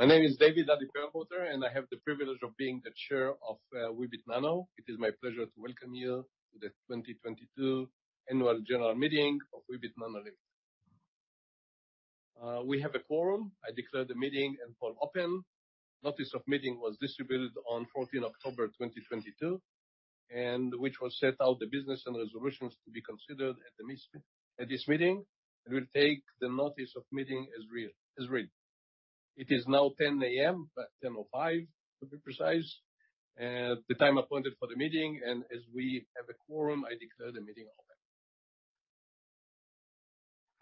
Okay, yeah. We got this. My name is David Perlmutter, and I have the privilege of being the chair of Weebit Nano. It is my pleasure to welcome you to the 2022 annual general meeting of Weebit Nano Ltd. We have a quorum. I declare the meeting and poll open. Notice of meeting was distributed on 14th October 2022, and which will set out the business and resolutions to be considered at this meeting, and we'll take the notice of meeting as read. It is now 10 A.M., but 10:05 A.M. to be precise, the time appointed for the meeting. As we have a quorum, I declare the meeting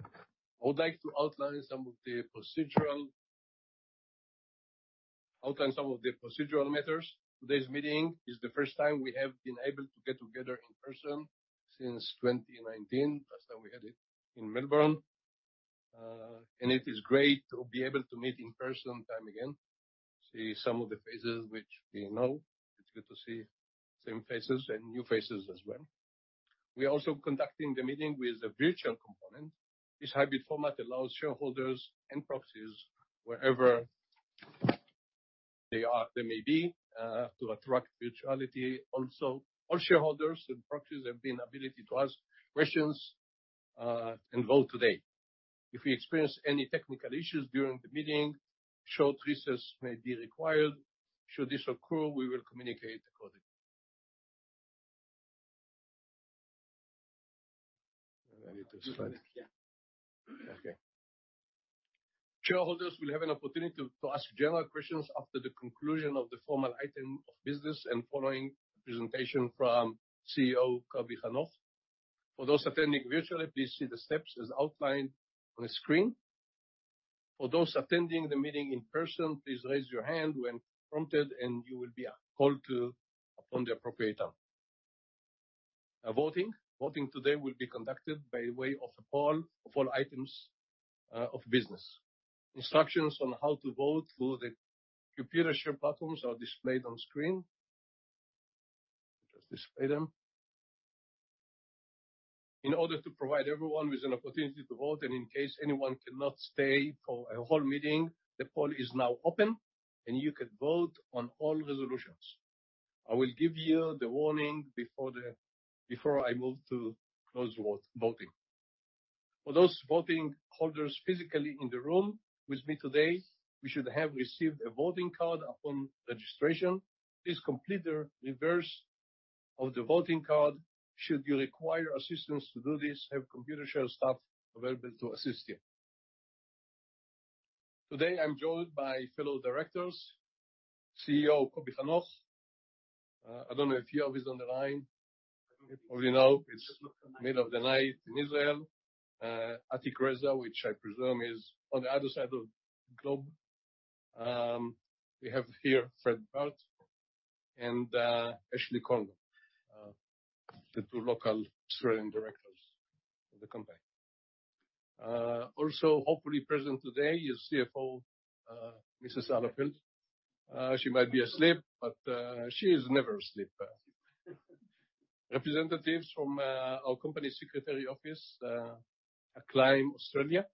open. I would like to outline some of the procedural matters. Today's meeting is the first time we have been able to get together in person since 2019. Last time we had it in Melbourne. It is great to be able to meet in person time again, see some of the faces which we know. It's good to see same faces and new faces as well. We're also conducting the meeting with a virtual component. This hybrid format allows shareholders and proxies wherever they may be to attend virtually also. All shareholders and proxies have the ability to ask questions and vote today. If we experience any technical issues during the meeting, short recess may be required. Should this occur, we will communicate accordingly. I need to slide. Yeah. Okay. Shareholders will have an opportunity to ask general questions after the conclusion of the formal item of business and following presentation from CEO Coby Hanoch. For those attending virtually, please see the steps as outlined on the screen. For those attending the meeting in person, please raise your hand when prompted, and you will be called upon at the appropriate time. Voting today will be conducted by way of a poll of all items of business. Instructions on how to vote through the Computershare platforms are displayed on screen. Just display them. In order to provide everyone with an opportunity to vote, and in case anyone cannot stay for a whole meeting, the poll is now open, and you can vote on all resolutions. I will give you the warning before I move to close voting. For those voting holders physically in the room with me today, you should have received a voting card upon registration. Please complete the reverse of the voting card. Should you require assistance to do this, have Computershare staff available to assist you. Today, I'm joined by fellow directors, CEO Coby Hanoch. I don't know if Yoav is on the line. As we know, it's middle of the night in Israel. Atiq Raza, which I presume is on the other side of globe. We have here Fred Bart and Ashley Krongold, the two local Australian directors of the company. Also hopefully present today is CFO Alla Felder. She might be asleep, but she is never asleep. Representatives from our company secretary office, Automic Australia.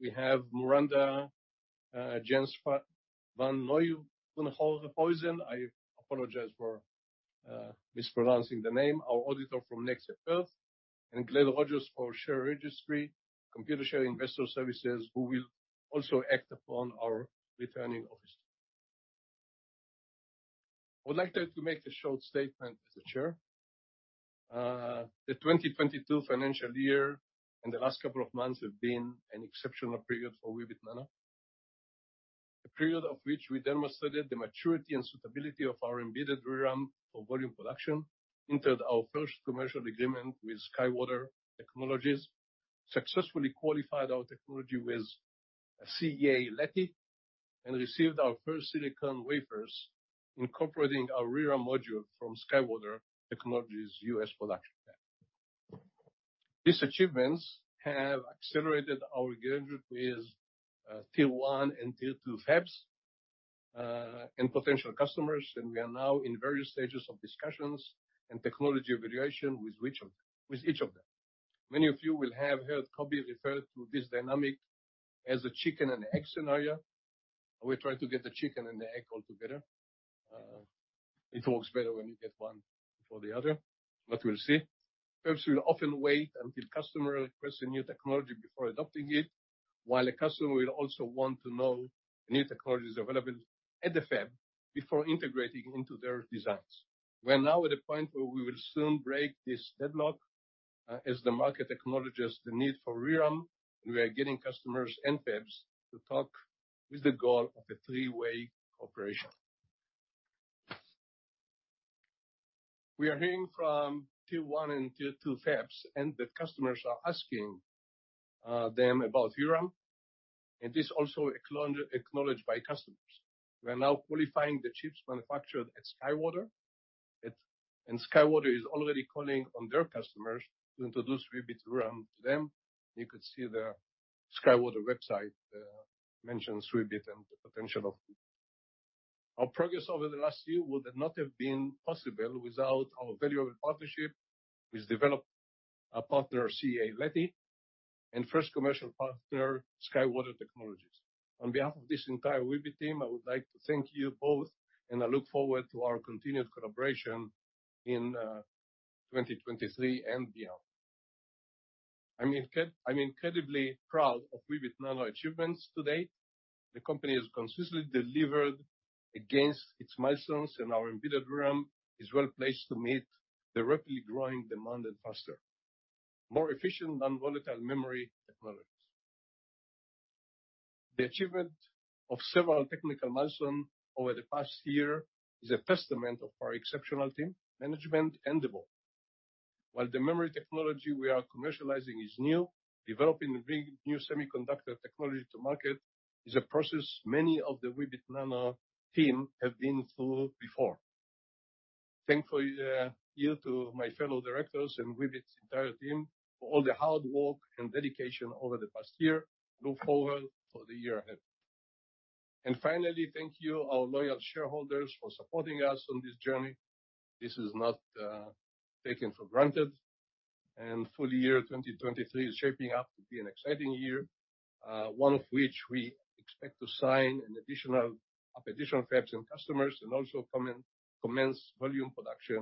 We have Miranda Jans-van Noyenhornefussen. I apologize for mispronouncing the name. Our auditor from Nexia Perth, and Glade Rogers for share registry, Computershare Investor Services, who will also act as our returning officer. I would like to make a short statement as the chair. The 2022 financial year and the last couple of months have been an exceptional period for Weebit Nano. A period in which we demonstrated the maturity and suitability of our embedded ReRAM for volume production, entered our first commercial agreement with SkyWater Technology, successfully qualified our technology with CEA-Leti, and received our first silicon wafers incorporating our ReRAM module from SkyWater Technology's U.S. production lab. These achievements have accelerated our engagement with tier one and tier two fabs and potential customers, and we are now in various stages of discussions and technology evaluation with each of them. Many of you will have heard Coby refer to this dynamic as a chicken and egg scenario. We're trying to get the chicken and the egg all together. It works better when you get one before the other, but we'll see. Fabs will often wait until customer requests a new technology before adopting it, while a customer will also want to know new technologies available at the fab before integrating into their designs. We're now at the point where we will soon break this deadlock, as the market acknowledges the need for ReRAM, and we are getting customers and fabs to talk with the goal of a three-way cooperation. We are hearing from tier one and tier two fabs, and the customers are asking them about ReRAM, and this also acknowledged by customers. We are now qualifying the chips manufactured at SkyWater. SkyWater is already calling on their customers to introduce Weebit ReRAM to them. You could see the SkyWater website mentions Weebit and the potential. Our progress over the last year would not have been possible without our valuable partnership with development partner CEA-Leti and first commercial partner SkyWater Technology. On behalf of this entire Weebit team, I would like to thank you both, and I look forward to our continued collaboration in 2023 and beyond. I'm incredibly proud of Weebit Nano's achievements to date. The company has consistently delivered against its milestones, and our embedded ReRAM is well-placed to meet the rapidly growing demand for faster, more efficient non-volatile memory technologies. The achievement of several technical milestones over the past year is a testament to our exceptional team, management, and the board. While the memory technology we are commercializing is new, developing the big new semiconductor technology to market is a process many of the Weebit Nano team have been through before. Thankfully, here's to my fellow directors and Weebit's entire team for all the hard work and dedication over the past year. I look forward to the year ahead. Finally, thank you to our loyal shareholders for suppo rting us on this journey. This is not taken for granted. Full year 2023 is shaping up to be an exciting year, one in which we expect to sign an additional fabs and customers and also commence volume production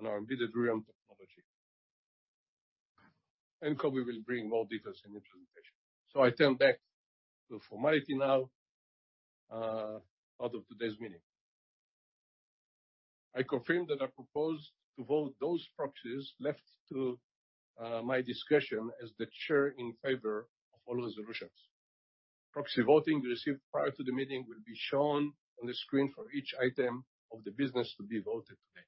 on our embedded ReRAM technology. Coby will bring more details in his presentation. I turn back to the formalities now of today's meeting. I confirm that I propose to vote those proxies left to my discretion as the chair in favor of all resolutions. Proxy voting received prior to the meeting will be shown on the screen for each item of the business to be voted today.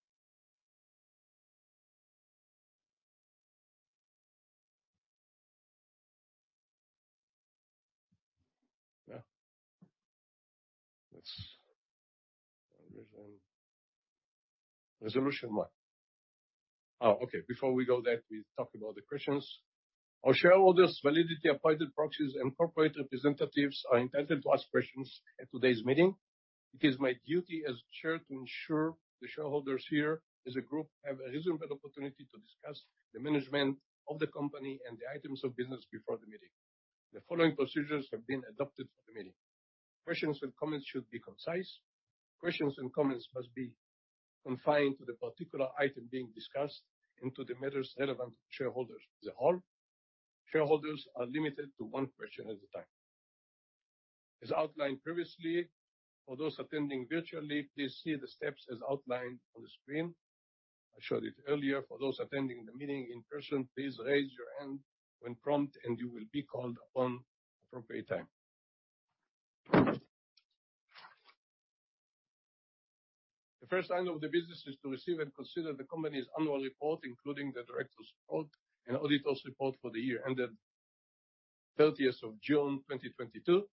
Yeah. Let's resume. Resolution one. Oh, okay. Before we go there, we talk about the questions. Our shareholders, validly appointed proxies, and corporate representatives are entitled to ask questions at today's meeting. It is my duty as chair to ensure the shareholders here as a group have a reasonable opportunity to discuss the management of the company and the items of business before the meeting. The following procedures have been adopted for the meeting. Questions and comments should be concise. Questions and comments must be confined to the particular item being discussed and to the matters relevant to shareholders as a whole. Shareholders are limited to one question at a time. As outlined previously, for those attending virtually, please see the steps as outlined on the screen. I showed it earlier. For those attending the meeting in person, please raise your hand when prompted and you will be called upon at the appropriate time. The first item of the business is to receive and consider the company's annual report, including the directors' report and auditors' report for the year ended 30th of June, 2022.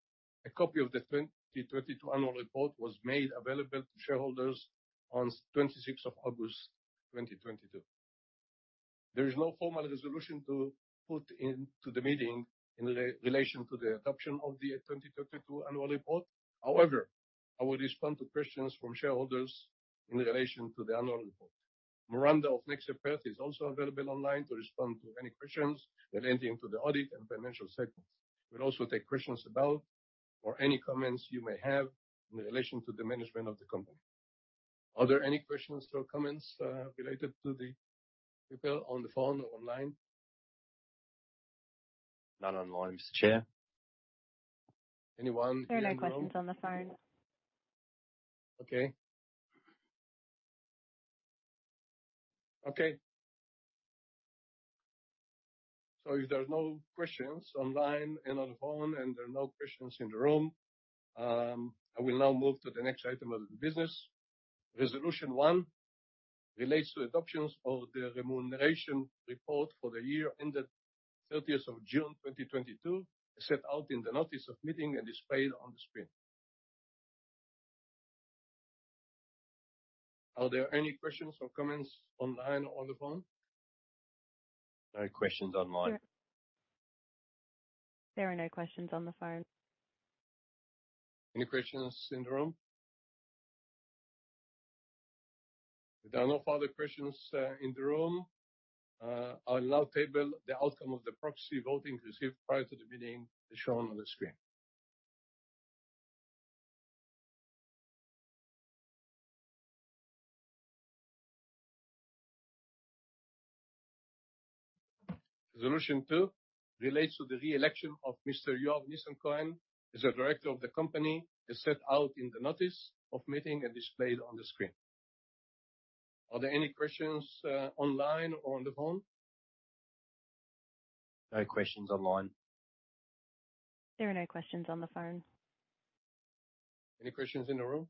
A copy of the 2022 annual report was made available to shareholders on 26th of August, 2022. There is no formal resolution to put to the meeting in relation to the adoption of the 2022 annual report. However, I will respond to questions from shareholders in relation to the annual report. Miranda of Nexia Perth is also available online to respond to any questions relating to the audit and financial segments. We'll also take questions about, or any comments you may have in relation to the management of the company. Are there any questions or comments from people on the phone or online? None online, Mr. Chair. Anyone in the room? There are no questions on the phone. Okay. If there's no questions online and on the phone, and there are no questions in the room, I will now move to the next item of the business. Resolution 1 relates to adoptions of the remuneration report for the year ended thirtieth of June, 2022, set out in the notice of meeting and displayed on the screen. Are there any questions or comments online or on the phone? No questions online. There are no questions on the phone. Any questions in the room? If there are no further questions in the room, I'll now table the outcome of the proxy voting received prior to the meeting as shown on the screen. Resolution 2 relates to the re-election of Mr. Yoav Nissan-Cohen as a director of the company, as set out in the notice of meeting and displayed on the screen. Are there any questions online or on the phone? No questions online. There are no questions on the phone. Any questions in the room?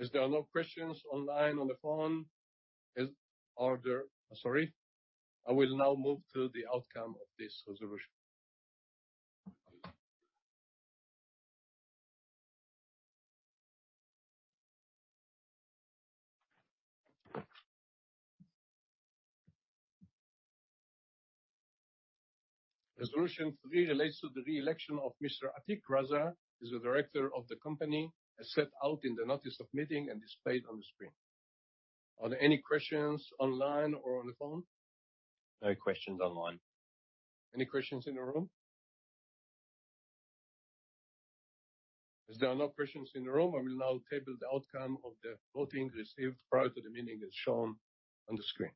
As there are no questions online, on the phone. Sorry. I will now move to the outcome of this resolution. Resolution three relates to the re-election of Mr. Atiq Raza as a director of the company, as set out in the notice of meeting and displayed on the screen. Are there any questions online or on the phone? No questions online. Any questions in the room? As there are no questions in the room, I will now table the outcome of the voting received prior to the meeting, as shown on the screen.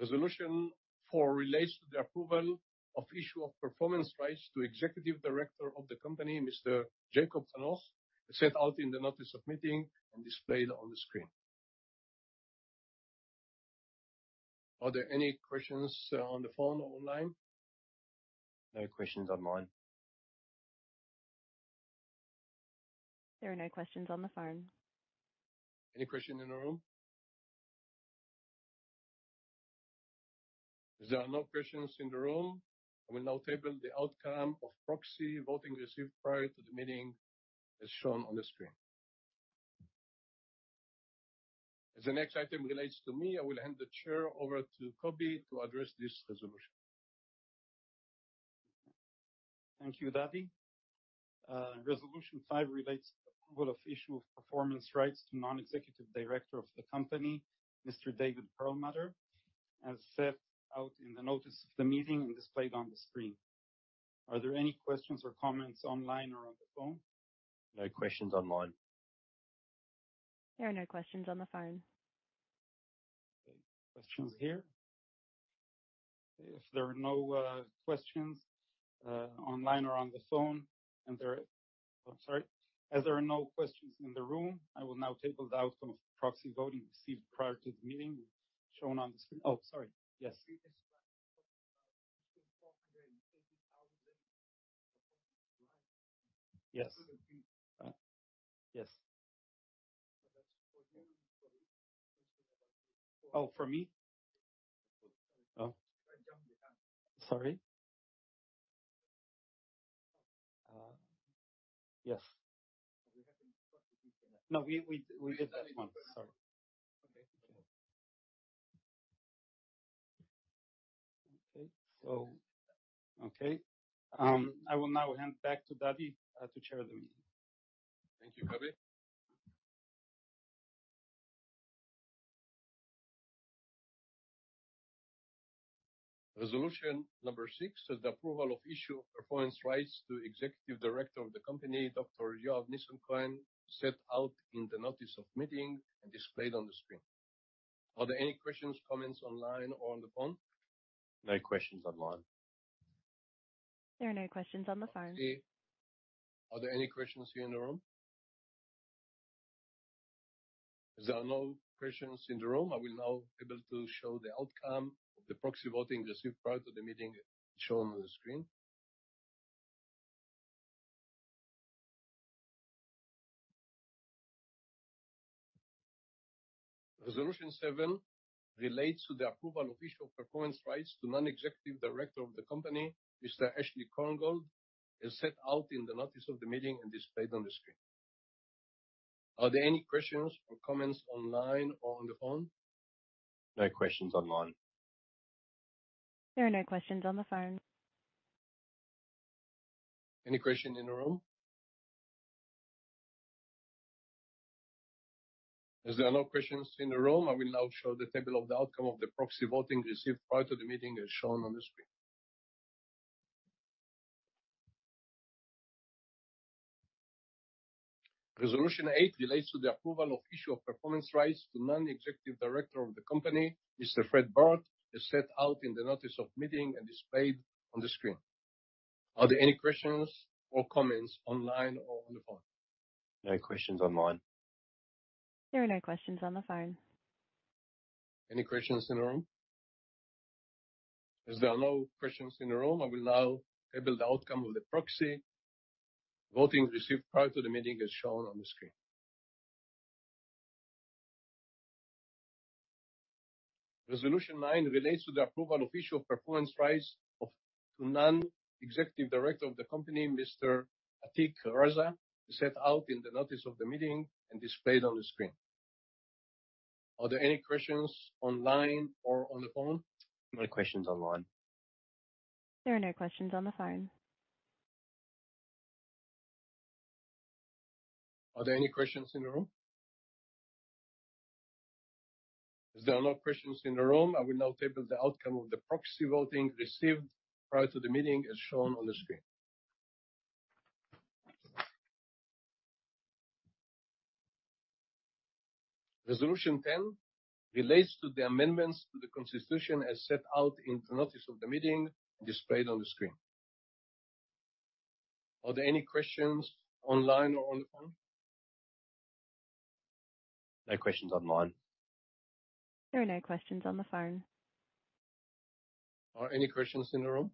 Resolution four relates to the approval of issue of performance rights to Executive Director of the company, Mr. Coby Hanoch, as set out in the notice of meeting and displayed on the screen. Are there any questions on the phone or online? No questions online. There are no questions on the phone. Any question in the room? As there are no questions in the room, I will now table the outcome of proxy voting received prior to the meeting, as shown on the screen. As the next item relates to me, I will hand the chair over to Coby to address this resolution. Thank you, David. Resolution 5 relates to the approval of issue of performance rights to Non-Executive Director of the company, Mr. David Perlmutter, as set out in the notice of the meeting and displayed on the screen. Are there any questions or comments online or on the phone? No questions online. There are no questions on the phone. Questions here? If there are no questions online or on the phone, I'm sorry. As there are no questions in the room, I will now table the outcome of proxy voting received prior to the meeting, shown on the screen. Oh, sorry. Yes. Yes. Yes. Oh, for me? Oh. Sorry. Yes. No, we did that one. Sorry. Okay. I will now hand back to David to chair the meeting. Thank you, Coby. Resolution number six is the approval of issue of performance rights to Executive Director of the company, Dr. Yoav Nissan-Cohen, set out in the notice of meeting and displayed on the screen. Are there any questions, comments online or on the phone? No questions online. There are no questions on the phone. Are there any questions here in the room? As there are no questions in the room, I will now be able to show the outcome of the proxy voting received prior to the meeting, as shown on the screen. Resolution seven relates to the approval of issue of performance rights to non-executive director of the company, Mr. Ashley Krongold, as set out in the notice of the meeting and displayed on the screen. Are there any questions or comments online or on the phone? No questions online. There are no questions on the phone. Any question in the room? As there are no questions in the room, I will now show the table of the outcome of the proxy voting received prior to the meeting, as shown on the screen. Resolution eight relates to the approval of issue of performance rights to Non-Executive Director of the company, Mr. Fred Bart, as set out in the notice of meeting and displayed on the screen. Are there any questions or comments online or on the phone? No questions online. There are no questions on the phone. Any questions in the room? As there are no questions in the room, I will now table the outcome of the proxy votings received prior to the meeting, as shown on the screen. Resolution nine relates to the approval of issue of performance rights to Non-Executive Director of the company, Mr. Atiq Raza, as set out in the notice of the meeting and displayed on the screen. Are there any questions online or on the phone? No questions online. There are no questions on the phone. Are there any questions in the room? As there are no questions in the room, I will now table the outcome of the proxy voting received prior to the meeting, as shown on the screen. Resolution 10 relates to the amendments to the constitution as set out in the notice of the meeting and displayed on the screen. Are there any questions online or on the phone? No questions online. There are no questions on the phone. Are any questions in the room?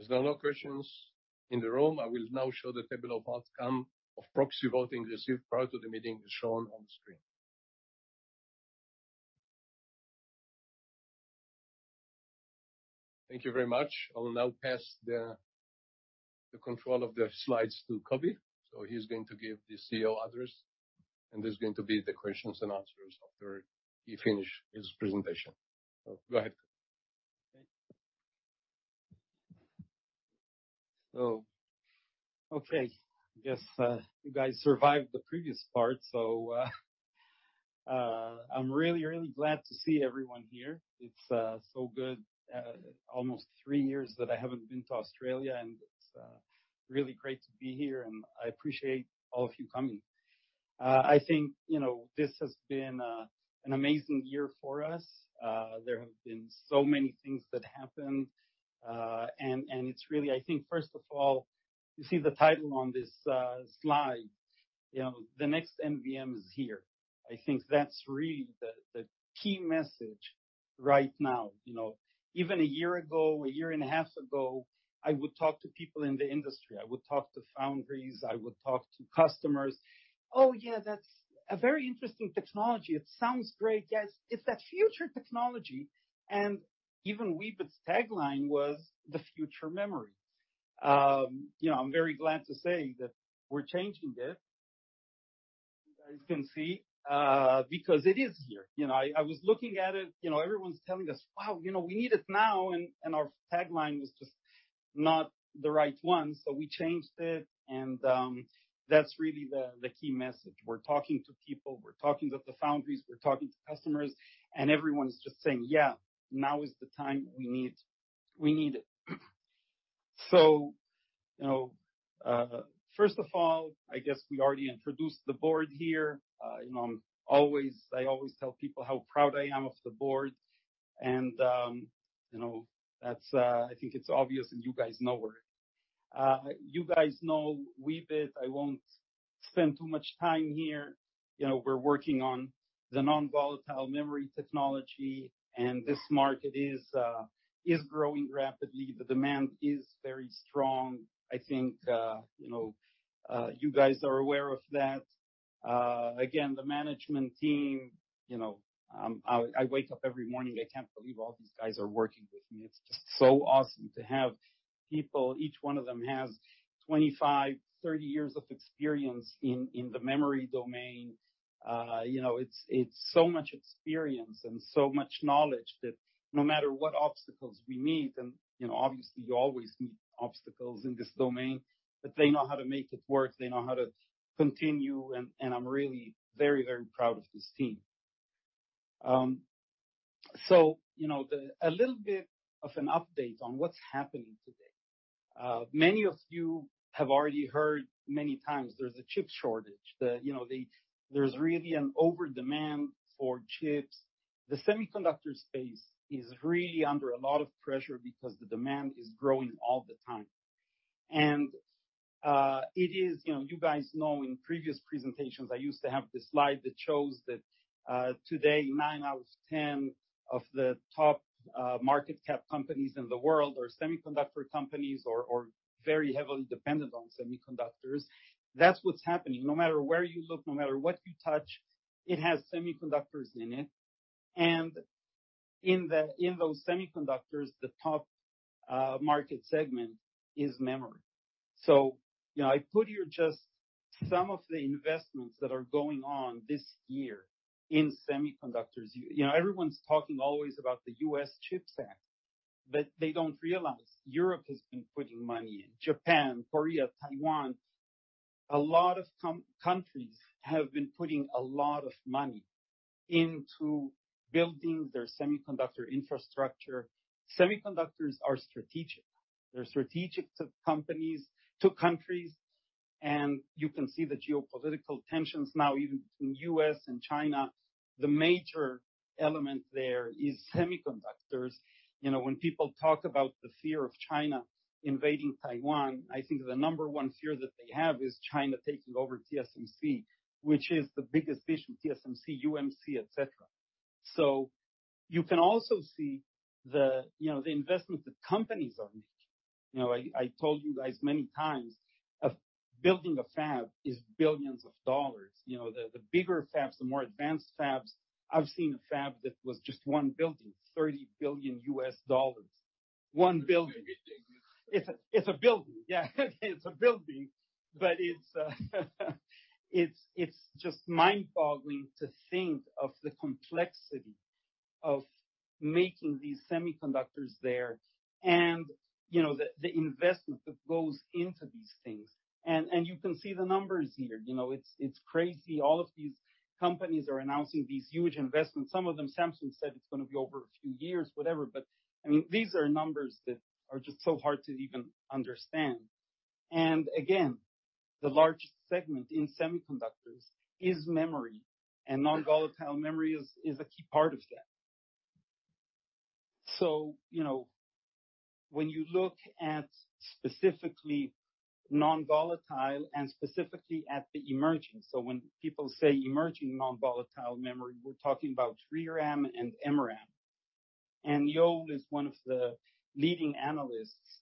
As there are no questions in the room, I will now show the table of outcome of proxy voting received prior to the meeting, as shown on the screen. Thank you very much. I will now pass the control of the slides to Coby. He's going to give the CEO address, and there's going to be the questions and answers after he finish his presentation. Go ahead. Okay. I guess you guys survived the previous part, so I'm really, really glad to see everyone here. It's so good. Almost three years that I haven't been to Australia, and it's really great to be here, and I appreciate all of you coming. I think, you know, this has been an amazing year for us. There have been so many things that happened. And it's really, I think, first of all, you see the title on this slide, you know, the next NVM is here. I think that's really the key message right now. You know, even a year ago, a year and a half ago, I would talk to people in the industry. I would talk to foundries, I would talk to customers. "Oh, yeah, that's a very interesting technology. It sounds great. Yes, it's that future technology. Even Weebit's tagline was the future memory. You know, I'm very glad to say that we're changing it, you guys can see, because it is here. You know, I was looking at it. You know, everyone's telling us, "Wow, you know, we need it now." Our tagline was just not the right one. We changed it and, that's really the key message. We're talking to people, we're talking to the foundries, we're talking to customers, and everyone's just saying, "Yeah, now is the time. We need it." You know, first of all, I guess we already introduced the board here. You know, I always tell people how proud I am of the board and, you know, that's, I think it's obvious and you guys know where. You guys know Weebit. I won't spend too much time here. You know, we're working on the non-volatile memory technology, and this market is growing rapidly. The demand is very strong. I think, you know, you guys are aware of that. Again, the management team, you know, I wake up every morning, I can't believe all these guys are working with me. It's just so awesome to have people. Each one of them has 25, 30 years of experience in the memory domain. You know, it's so much experience and so much knowledge that no matter what obstacles we meet, and you know, obviously you always meet obstacles in this domain, but they know how to make it work. They know how to continue, and I'm really very proud of this team. You know, a little bit of an update on what's happening today. Many of you have already heard many times there's a chip shortage. You know, there's really an overdemand for chips. The semiconductor space is really under a lot of pressure because the demand is growing all the time. It is, you know, you guys know in previous presentations, I used to have this slide that shows that, today nine out of ten of the top market cap companies in the world are semiconductor companies or very heavily dependent on semiconductors. That's what's happening. No matter where you look, no matter what you touch, it has semiconductors in it. In those semiconductors, the top market segment is memory. You know, I put here just some of the investments that are going on this year in semiconductors. You know, everyone's talking always about the CHIPS and Science Act, but they don't realize Europe has been putting money in. Japan, Korea, Taiwan, a lot of countries have been putting a lot of money into building their semiconductor infrastructure. Semiconductors are strategic. They're strategic to companies, to countries, and you can see the geopolitical tensions now even between U.S. and China. The major element there is semiconductors. You know, when people talk about the fear of China invading Taiwan, I think the number one fear that they have is China taking over TSMC, which is the biggest foundry, TSMC, UMC, et cetera. You can also see you know, the investments that companies are making. You know, I told you guys many times of building a fab is billions of dollars. You know, the bigger fabs, the more advanced fabs. I've seen a fab that was just one building, $30 billion. One building. It's a big thing. It's a building. Yeah. It's a building, but it's just mind-boggling to think of the complexity of making these semiconductors there and, you know, the investment that goes into these things. You can see the numbers here. You know, it's crazy. All of these companies are announcing these huge investments. Some of them, Samsung said it's gonna be over a few years, whatever, but, I mean, these are numbers that are just so hard to even understand. Again, the largest segment in semiconductors is memory, and non-volatile memory is a key part of that. You know, when you look at specifically non-volatile and specifically at the emerging. When people say emerging non-volatile memory, we're talking about 3D XPoint and eMRAM. Yole is one of the leading analysts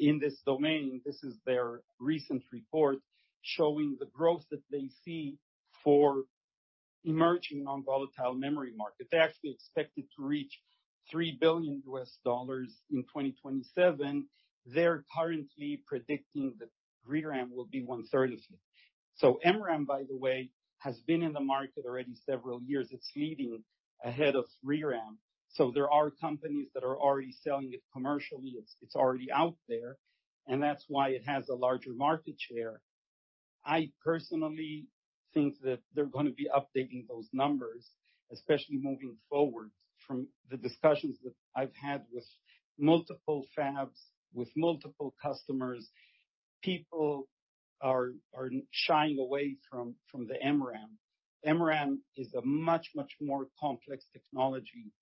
in this domain. This is their recent report showing the growth that they see for emerging nonvolatile memory market. They actually expect it to reach $3 billion in 2027. They're currently predicting that ReRAM will be one-third of it. MRAM, by the way, has been in the market already several years. It's leading ahead of ReRAM. There are companies that are already selling it commercially. It's already out there, and that's why it has a larger market share. I personally think that they're gonna be updating those numbers, especially moving forward. From the discussions that I've had with multiple fabs, with multiple customers, people are shying away from the MRAM. MRAM is a much more complex technology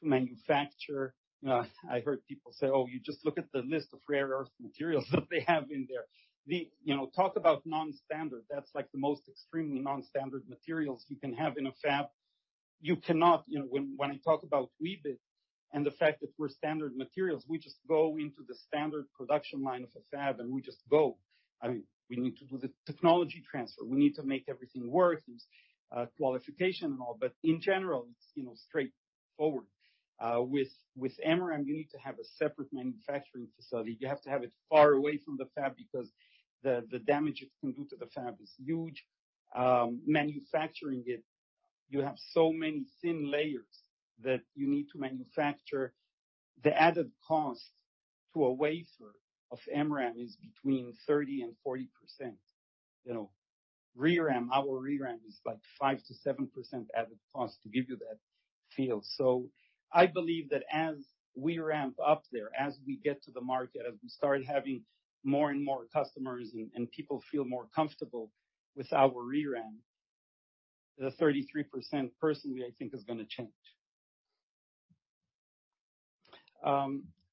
to manufacture. I heard people say, "Oh, you just look at the list of rare earth materials that they have in there." You know, talk about non-standard. That's like the most extremely non-standard materials you can have in a fab. You cannot. You know, when I talk about Weebit and the fact that we're standard materials, we just go into the standard production line of a fab, and we just go. I mean, we need to do the technology transfer. We need to make everything work. There's qualification and all. But in general, it's, you know, straightforward. With MRAM, you need to have a separate manufacturing facility. You have to have it far away from the fab because the damage it can do to the fab is huge. Manufacturing it, you have so many thin layers that you need to manufacture. The added cost to a wafer of MRAM is between 30% and 40%, you know. ReRAM, our ReRAM is, like, 5%-7% added cost to give you that feel. I believe that as we ramp up there, as we get to the market, as we start having more and more customers and people feel more comfortable with our ReRAM, the 33% personally, I think, is gonna change.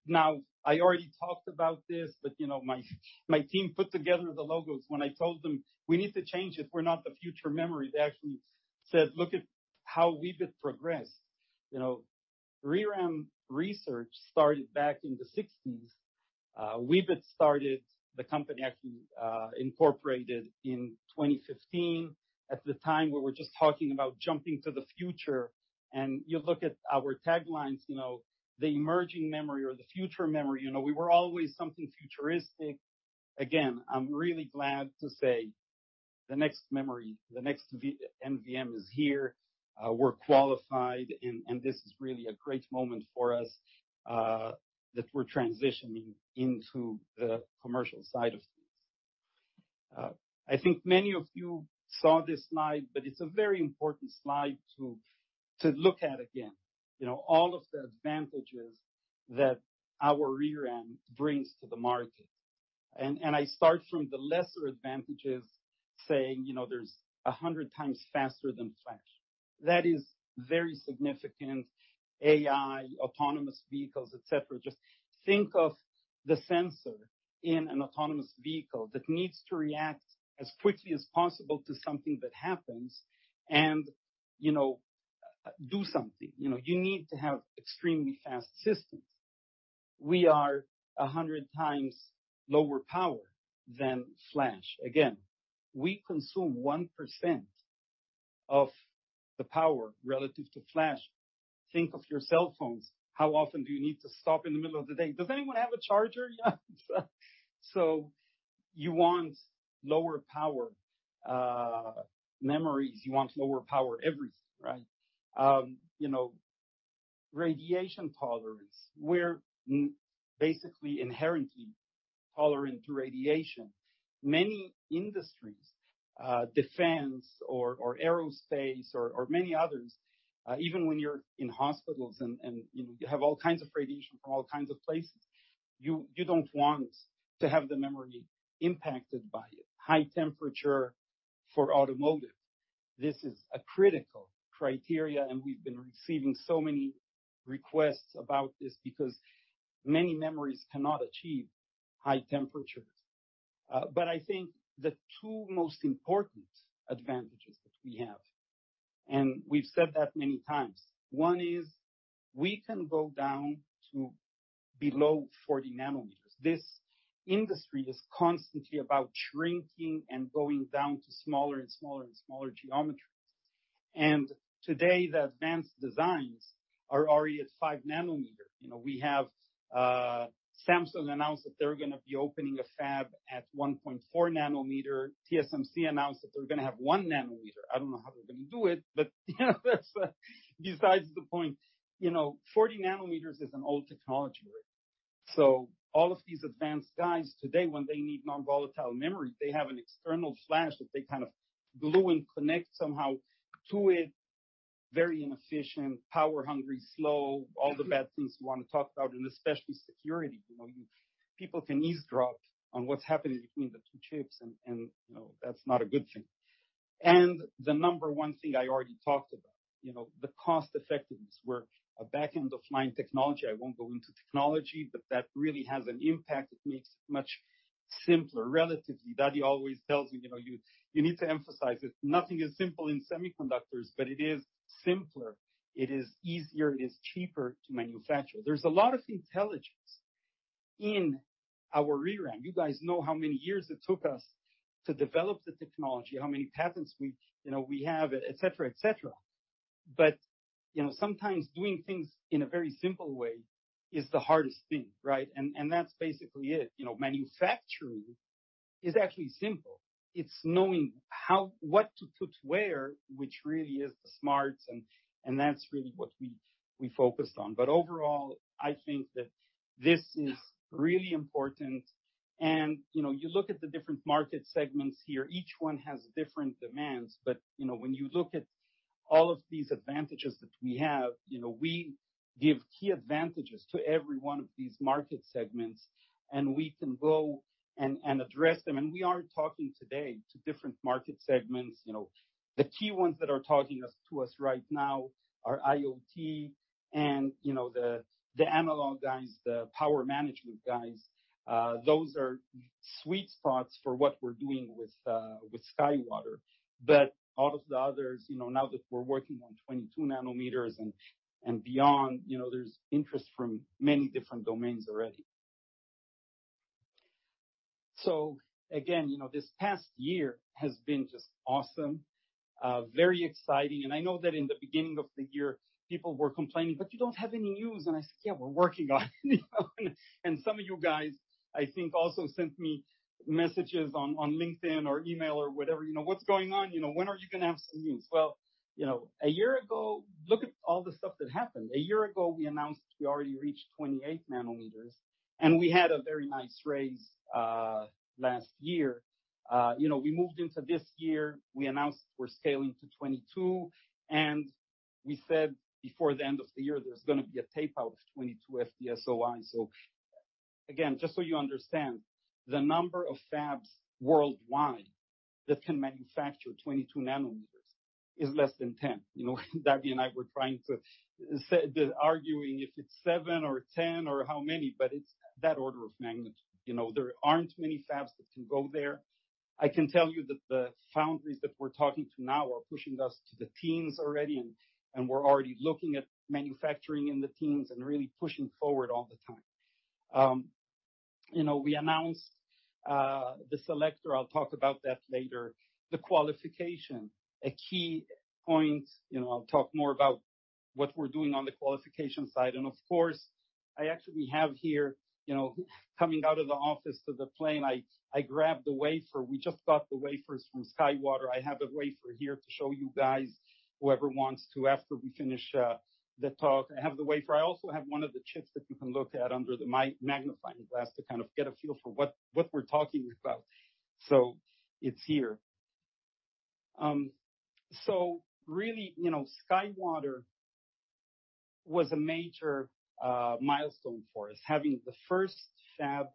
Now, I already talked about this, but, you know, my team put together the logos. When I told them we need to change it, we're not the future memory, they actually said, "Look at how Weebit progressed." You know, ReRAM research started back in the 1960s. Weebit started, the company actually incorporated in 2015. At the time, we were just talking about jumping to the future. You look at our taglines, you know, the emerging memory or the future memory. You know, we were always something futuristic. Again, I'm really glad to say the next NVM is here. We're qualified, and this is really a great moment for us that we're transitioning into the commercial side of things. I think many of you saw this slide, but it's a very important slide to look at again. You know, all of the advantages that our ReRAM brings to the market. I start from the lesser advantages, saying, you know, there's 100x faster than flash. That is very significant. AI, autonomous vehicles, et cetera. Just think of the sensor in an autonomous vehicle that needs to react as quickly as possible to something that happens and, you know, do something. You know, you need to have extremely fast systems. We are 100x lower power than flash. Again, we consume 1% of the power relative to flash. Think of your cell phones. How often do you need to stop in the middle of the day? Does anyone have a charger? You want lower power memories. You want lower power everything, right? You know, radiation tolerance. We're basically inherently tolerant to radiation. Many industries, defense or aerospace or many others, even when you're in hospitals and, you know, you have all kinds of radiation from all kinds of places, you don't want to have the memory impacted by it. High temperature for automotive. This is a critical criterion, and we've been receiving so many requests about this because many memories cannot achieve high temperatures. I think the two most important advantages that we have, and we've said that many times. One is we can go down to below 40 nanometers. This industry is constantly about shrinking and going down to smaller and smaller and smaller geometries. Today, the advanced designs are already at 5 nanometer. You know, we have, Samsung announced that they're gonna be opening a fab at 1.4 nanometer. TSMC announced that they're gonna have 1 nanometer. I don't know how they're gonna do it, but, you know, that's beside the point. You know, 40 nanometers is an old technology already. All of these advanced guys today, when they need nonvolatile memory, they have an external flash that they kind of glue and connect somehow to it. Very inefficient, power-hungry, slow, all the bad things you wanna talk about, and especially security. You know, People can eavesdrop on what's happening between the two chips and, you know, that's not a good thing. The number one thing I already talked about, you know, the cost-effectiveness. We're a back-end-of-line technology. I won't go into technology, but that really has an impact. It makes it much simpler, relatively. David always tells me, "You know, you need to emphasize it." Nothing is simple in semiconductors, but it is simpler. It is easier. It is cheaper to manufacture. There's a lot of intelligence in our ReRAM. You guys know how many years it took us to develop the technology, how many patents we, you know, have, et cetera, et cetera. You know, sometimes doing things in a very simple way is the hardest thing, right? That's basically it. You know, manufacturing is actually simple. It's knowing how what to put where, which really is the smarts, and that's really what we focused on. Overall, I think that this is really important. You know, you look at the different market segments here, each one has different demands. You know, when you look at all of these advantages that we have, you know, we give key advantages to every one of these market segments, and we can go and address them. We are talking today to different market segments. You know, the key ones that are talking to us right now are IoT and, you know, the analog guys, the power management guys. Those are sweet spots for what we're doing with SkyWater. All of the others, you know, now that we're working on 22 nanometers and beyond, you know, there's interest from many different domains already. So again, you know, this past year has been just awesome, very exciting. I know that in the beginning of the year, people were complaining, "But you don't have any news." I said, "Yeah, we're working on it." You know, some of you guys, I think, also sent me messages on LinkedIn or email or whatever, you know, "What's going on?" You know, "When are you gonna have some news?" Well, you know, a year ago, look at all the stuff that happened. A year ago, we announced we already reached 28 nanometers, and we had a very nice raise last year. You know, we moved into this year, we announced we're scaling to 22, and we said before the end of the year, there's gonna be a tape out of 22 FDSOI. So again, just so you understand, the number of fabs worldwide that can manufacture 22 nanometers is less than 10. You know, Gabby and I were arguing if it's 7 or 10 or how many, but it's that order of magnitude. You know, there aren't many fabs that can go there. I can tell you that the foundries that we're talking to now are pushing us to the teens already, and we're already looking at manufacturing in the teens and really pushing forward all the time. You know, we announced the selector. I'll talk about that later. The qualification, a key point. You know, I'll talk more about what we're doing on the qualification side. Of course, I actually have here, you know, coming out of the office to the plane, I grabbed a wafer. We just got the wafers from SkyWater. I have a wafer here to show you guys, whoever wants to, after we finish, the talk. I have the wafer. I also have one of the chips that you can look at under the magnifying glass to kind of get a feel for what we're talking about. It's here. Really, you know, SkyWater was a major milestone for us. Having the first fab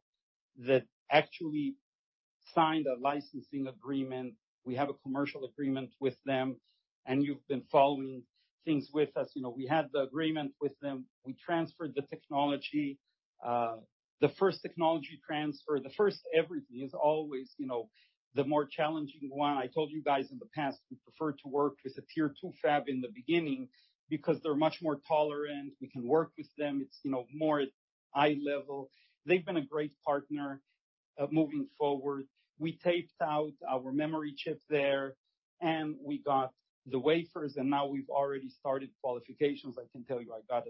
that actually signed a licensing agreement. We have a commercial agreement with them, and you've been following things with us. You know, we had the agreement with them. We transferred the technology. The first technology transfer, the first everything is always, you know, the more challenging one. I told you guys in the past, we prefer to work with a tier two fab in the beginning because they're much more tolerant. We can work with them. It's, you know, more at eye level. They've been a great partner, moving forward. We taped out our memory chip there, and we got the wafers, and now we've already started qualifications. I can tell you, I got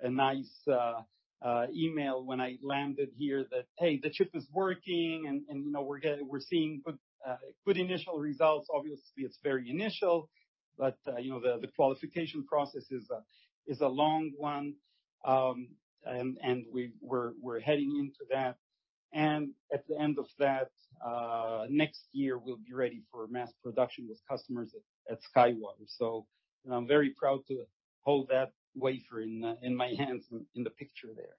a nice email when I landed here that, "Hey, the chip is working," and, you know, we're seeing good initial results. Obviously, it's very initial, but, you know, the qualification process is a long one. And we're heading into that. At the end of that, next year, we'll be ready for mass production with customers at SkyWater. You know, I'm very proud to hold that wafer in my hands in the picture there.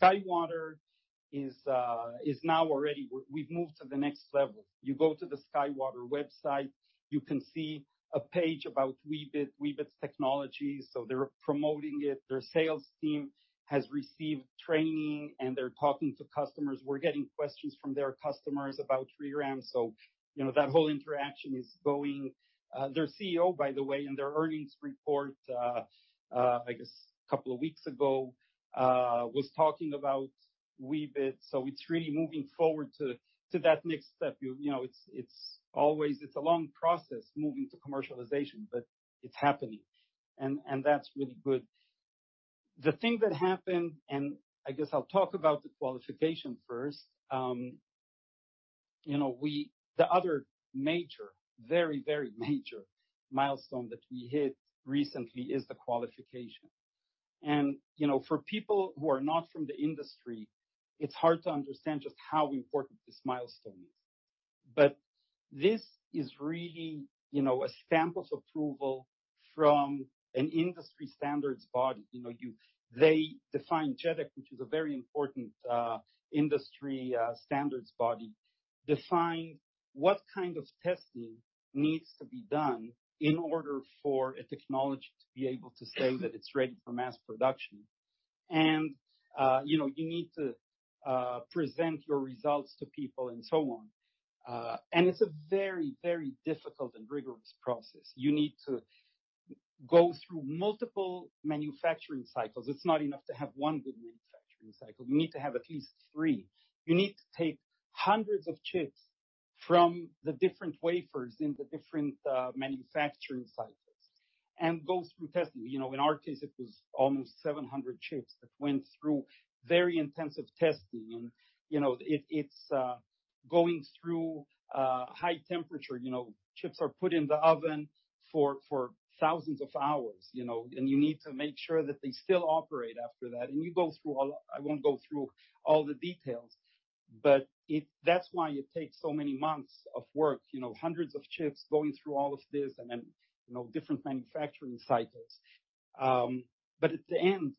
SkyWater is now already. We've moved to the next level. You go to the SkyWater website, you can see a page about Weebit's technology. They're promoting it. Their sales team has received training, and they're talking to customers. We're getting questions from their customers about ReRAM. You know, that whole interaction is going. Their CEO, by the way, in their earnings report, I guess a couple of weeks ago, was talking about Weebit. It's really moving forward to that next step. You know, it's always a long process moving to commercialization, but it's happening, and that's really good. The thing that happened, and I guess I'll talk about the qualification first. You know, the other major, very major milestone that we hit recently is the qualification. You know, for people who are not from the industry, it's hard to understand just how important this milestone is. This is really, you know, a stamp of approval from an industry standards body. You know, they define JEDEC, which is a very important industry standards body, define what kind of testing needs to be done in order for a technology to be able to say that it's ready for mass production. You know, you need to present your results to people and so on. It's a very, very difficult and rigorous process. You need to go through multiple manufacturing cycles. It's not enough to have one good manufacturing cycle. You need to have at least three. You need to take hundreds of chips from the different wafers in the different manufacturing cycles and go through testing. You know, in our case, it was almost 700 chips that went through very intensive testing. You know, it's going through high temperature. You know, chips are put in the oven for thousands of hours, you know, and you need to make sure that they still operate after that. I won't go through all the details, but that's why it takes so many months of work, you know, hundreds of chips going through all of this and then, you know, different manufacturing cycles. At the end,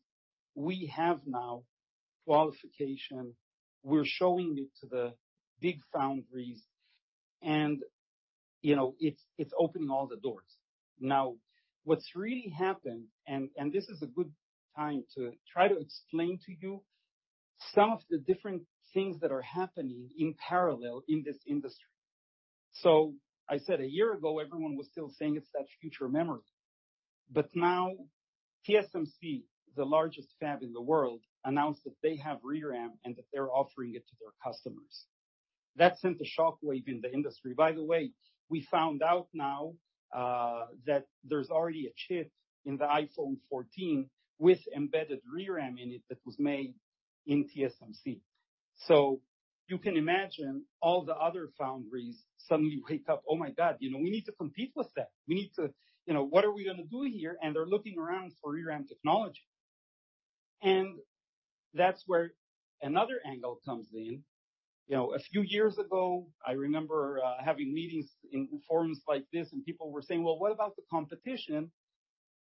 we have now qualification. We're showing it to the big foundries and, you know, it's opening all the doors. Now, what's really happened, this is a good time to try to explain to you some of the different things that are happening in parallel in this industry. I said a year ago, everyone was still saying it's that future memory. Now TSMC, the largest fab in the world, announced that they have ReRAM and that they're offering it to their customers. That sent a shock wave in the industry. By the way, we found out now that there's already a chip in the iPhone 14 with embedded ReRAM in it that was made in TSMC. You can imagine all the other foundries suddenly wake up, "Oh my god, you know, we need to compete with that. We need to. You know, what are we gonna do here?" They're looking around for ReRAM technology. That's where another angle comes in. You know, a few years ago, I remember having meetings in forums like this, and people were saying, "Well, what about the competition?"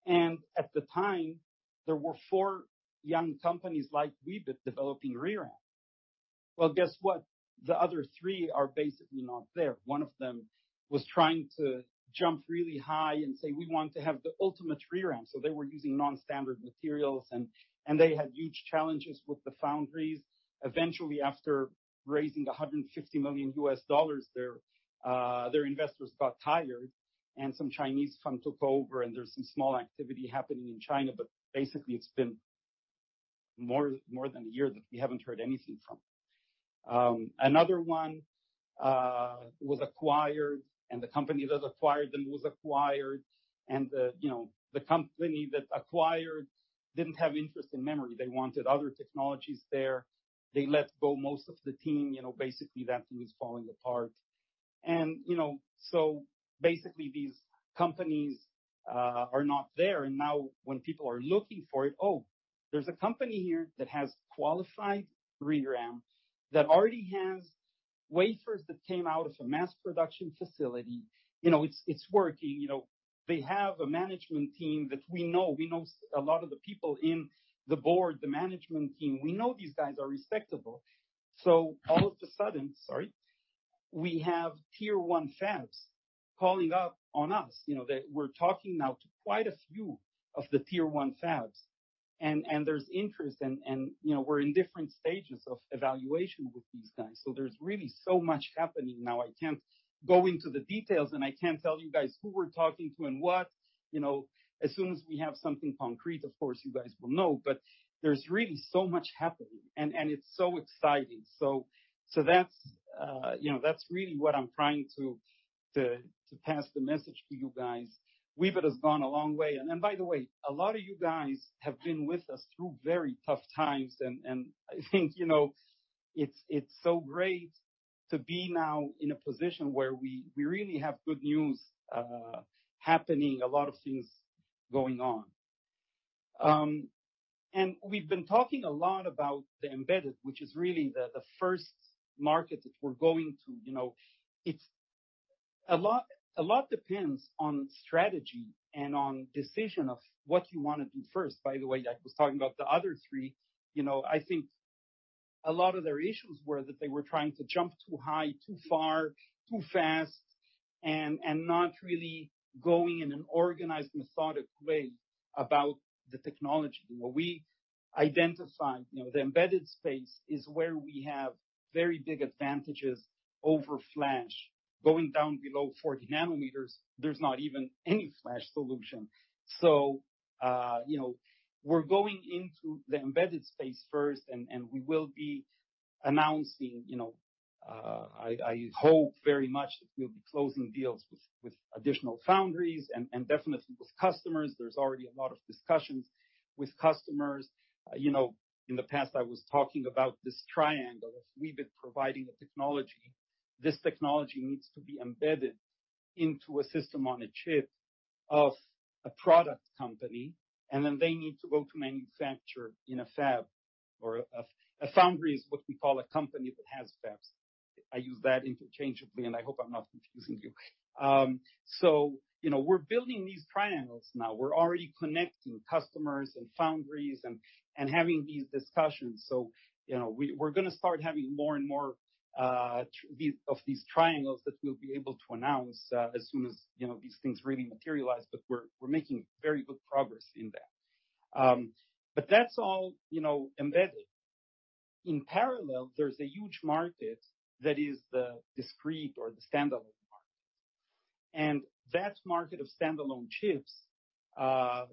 At the time, there were four young companies like Weebit developing ReRAM. Well, guess what? The other three are basically not there. One of them was trying to jump really high and say, "We want to have the ultimate ReRAM." They were using non-standard materials and they had huge challenges with the foundries. Eventually, after raising $150 million, their investors got tired, and some Chinese firm took over, and there's some small activity happening in China, but basically it's been more than a year that we haven't heard anything from them. Another one was acquired, and the company that acquired them was acquired, and the company that acquired didn't have interest in memory. They wanted other technologies there. They let go most of the team. You know, basically that team is falling apart. You know, basically these companies are not there. Now when people are looking for it, oh, there's a company here that has qualified ReRAM, that already has wafers that came out of a mass production facility. You know, it's working. You know, they have a management team that we know. We know a lot of the people in the board, the management team. We know these guys are respectable. All of a sudden. Sorry. We have tier one fabs calling up on us, you know. We're talking now to quite a few of the tier one fabs and there's interest and, you know, we're in different stages of evaluation with these guys. There's really so much happening now. I can't go into the details, and I can't tell you guys who we're talking to and what. You know, as soon as we have something concrete, of course, you guys will know. But there's really so much happening and it's so exciting. That's, you know, that's really what I'm trying to pass the message to you guys. Weebit has gone a long way. By the way, a lot of you guys have been with us through very tough times and I think, you know, it's so great to be now in a position where we really have good news happening, a lot of things going on. And we've been talking a lot about the embedded, which is really the first market that we're going to, you know. A lot depends on strategy and on decision of what you wanna do first. By the way, I was talking about the other three. You know, I think a lot of their issues were that they were trying to jump too high, too far, too fast and not really going in an organized, methodic way about the technology. What we identified, you know, the embedded space is where we have very big advantages over flash. Going down below 40 nanometers, there's not even any flash solution. You know, we're going into the embedded space first, and we will be announcing, you know, I hope very much that we'll be closing deals with additional foundries and definitely with customers. There's already a lot of discussions with customers. You know, in the past I was talking about this triangle of Weebit providing a technology. This technology needs to be embedded into a system on a chip of a product company, and then they need to go to manufacture in a fab or a foundry. A foundry is what we call a company that has fabs. I use that interchangeably, and I hope I'm not confusing you. You know, we're building these triangles now. We're already connecting customers and foundries and having these discussions. You know, we're gonna start having more and more of these triangles that we'll be able to announce as soon as you know, these things really materialize, but we're making very good progress in that. That's all, you know, embedded. In parallel, there's a huge market that is the discrete or the standalone market. That market of standalone chips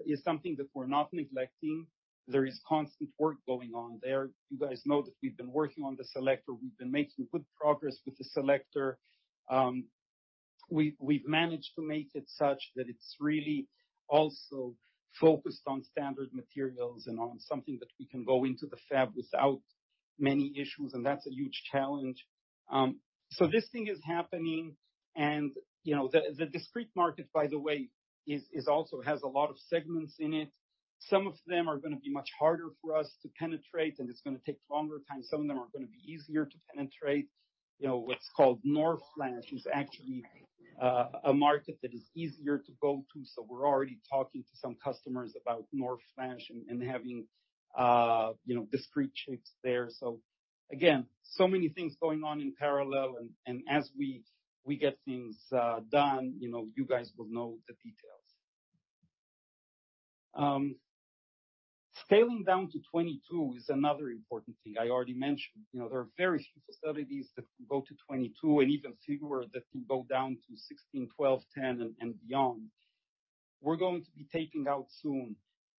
is something that we're not neglecting. There is constant work going on there. You guys know that we've been working on the selector. We've been making good progress with the selector. We've managed to make it such that it's really also focused on standard materials and on something that we can go into the fab without many issues, and that's a huge challenge. This thing is happening, and, you know, the discrete market, by the way, is also has a lot of segments in it. Some of them are gonna be much harder for us to penetrate, and it's gonna take longer time. Some of them are gonna be easier to penetrate. You know, what's called NOR flash is actually a market that is easier to go to, so we're already talking to some customers about NOR flash and having, you know, discrete chips there. Again, so many things going on in parallel and as we get things done, you know, you guys will know the details. Scaling down to 22 is another important thing I already mentioned. You know, there are very few facilities that can go to 22 and even fewer that can go down to 16, 12, 10, and beyond. We're going to be tape out soon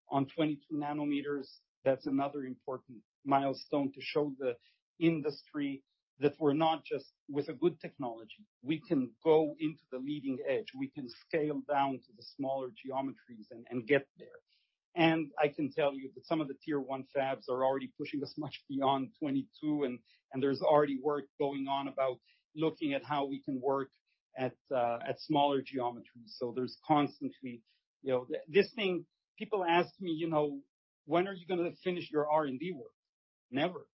on 22 nanometers. That's another important milestone to show the industry that we're not just with a good technology. We can go into the leading edge. We can scale down to the smaller geometries and get there. I can tell you that some of the tier one fabs are already pushing us much beyond 22 and there's already work going on about looking at how we can work at at smaller geometries. There's constantly you know, this thing, people ask me, you know, "When are you gonna finish your R&D work?" Never.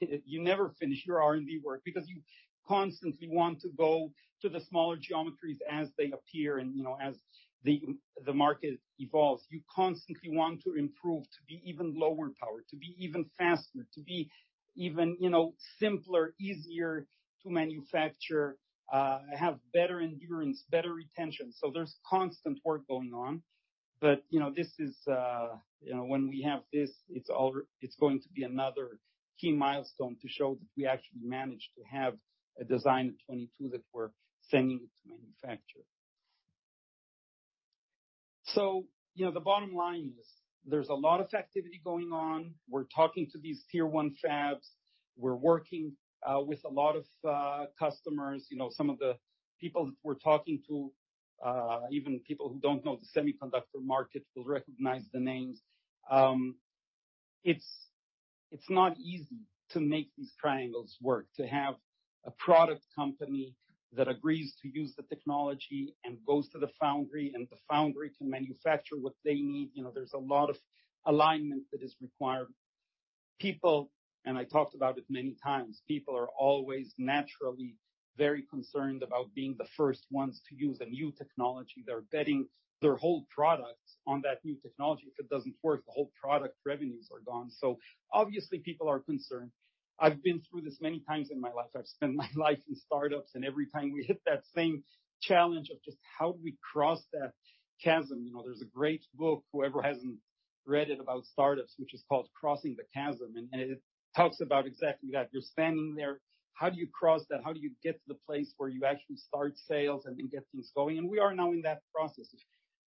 You never finish your R&D work because you constantly want to go to the smaller geometries as they appear and, you know, as the market evolves. You constantly want to improve to be even lower power, to be even faster, to be even, you know, simpler, easier to manufacture, have better endurance, better retention. There's constant work going on. You know, this is, you know, when we have this, it's going to be another key milestone to show that we actually managed to have a design at 22 that we're sending it to manufacture. You know, the bottom line is, there's a lot of activity going on. We're talking to these tier one fabs. We're working with a lot of customers. You know, some of the people that we're talking to, even people who don't know the semiconductor market will recognize the names. It's not easy to make these triangles work, to have a product company that agrees to use the technology and goes to the foundry, and the foundry can manufacture what they need. You know, there's a lot of alignment that is required. People, and I talked about it many times, people are always naturally very concerned about being the first ones to use a new technology. They're betting their whole product on that new technology. If it doesn't work, the whole product revenues are gone. So obviously people are concerned. I've been through this many times in my life. I've spent my life in startups, and every time we hit that same challenge of just how do we cross that chasm. You know, there's a great book, whoever hasn't read it, about startups, which is called Crossing the Chasm, and it talks about exactly that. You're standing there. How do you cross that? How do you get to the place where you actually start sales and then get things going? We are now in that process of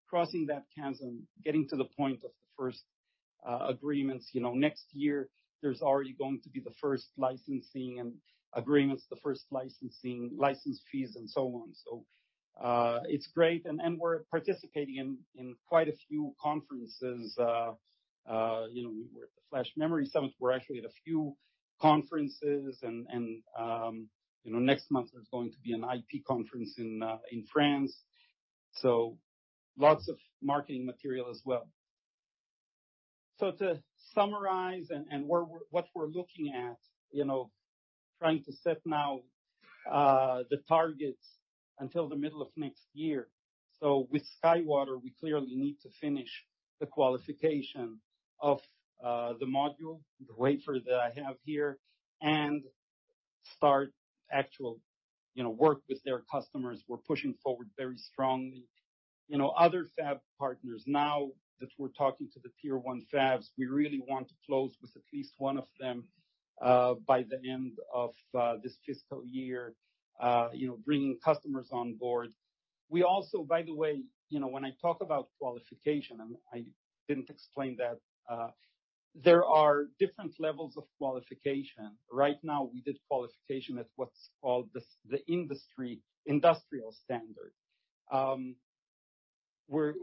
crossing that chasm, getting to the point of the first agreements. You know, next year there's already going to be the first licensing agreements, license fees and so on. It's great, and we're participating in quite a few conferences. You know, we were at the Flash Memory Summit. We're actually at a few conferences and, you know, next month there's going to be an IP conference in France. Lots of marketing material as well. To summarize what we're looking at, you know, trying to set now the targets until the middle of next year. With SkyWater, we clearly need to finish the qualification of the module, the wafer that I have here, and start actual, you know, work with their customers. We're pushing forward very strongly. You know, other fab partners now that we're talking to the tier one fabs, we really want to close with at least one of them by the end of this fiscal year, you know, bringing customers on board. We also, by the way, you know, when I talk about qualification, and I didn't explain that, there are different levels of qualification. Right now, we did qualification at what's called the industry standard. We're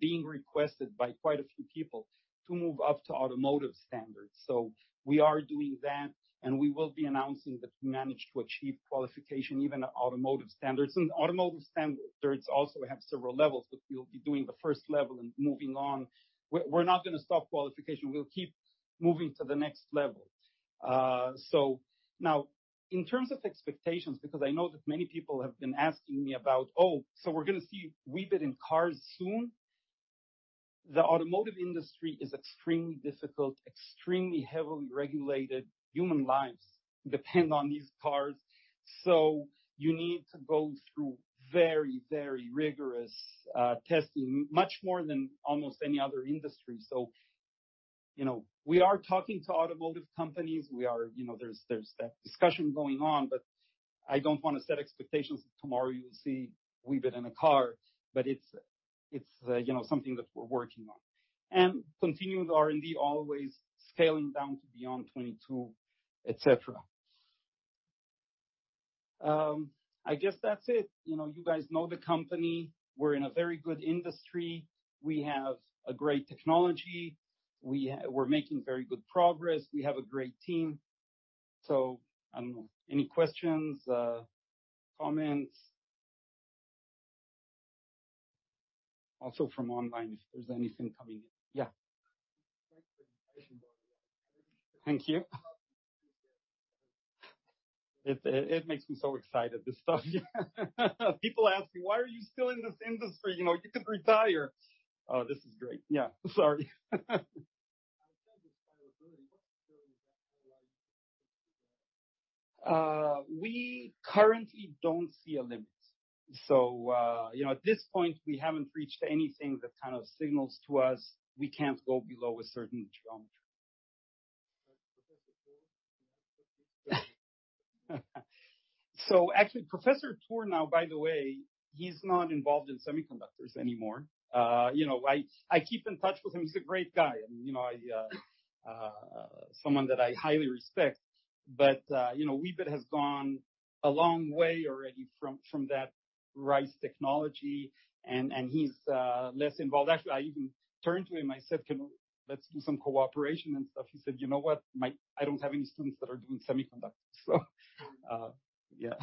being requested by quite a few people to move up to automotive standards. We are doing that, and we will be announcing that we managed to achieve qualification, even at automotive standards. Automotive standards also have several levels, but we'll be doing the first level and moving on. We're not gonna stop qualification. We'll keep moving to the next level. Now in terms of expectations, because I know that many people have been asking me about, "Oh, so we're gonna see Weebit in cars soon?" The automotive industry is extremely difficult, extremely heavily regulated. Human lives depend on these cars. You need to go through very, very rigorous testing, much more than almost any other industry. You know, we are talking to automotive companies. You know, there's that discussion going on, but I don't wanna set expectations that tomorrow you'll see Weebit in a car. But it's, you know, something that we're working on. Continued R&D always scaling down to beyond 22, et cetera. I guess that's it. You know, you guys know the company. We're in a very good industry. We have a great technology. We're making very good progress. We have a great team. I don't know. Any questions, comments? Also from online, if there's anything coming in. Yeah. Thank you. It makes me so excited, this stuff. People ask me, "Why are you still in this industry? You know, you could retire." Oh, this is great. Yeah. Sorry. We currently don't see a limit. At this point, we haven't reached anything that kind of signals to us we can't go below a certain geometry. Actually, Professor Tour now, by the way, he's not involved in semiconductors anymore. You know, I keep in touch with him. He's a great guy and, you know, someone that I highly respect. But you know, Weebit has gone a long way already from that Rice technology and he's less involved. Actually, I even turned to him, I said, "Can we do some cooperation and stuff." He said, "You know what? I don't have any students that are doing semiconductors." Yeah.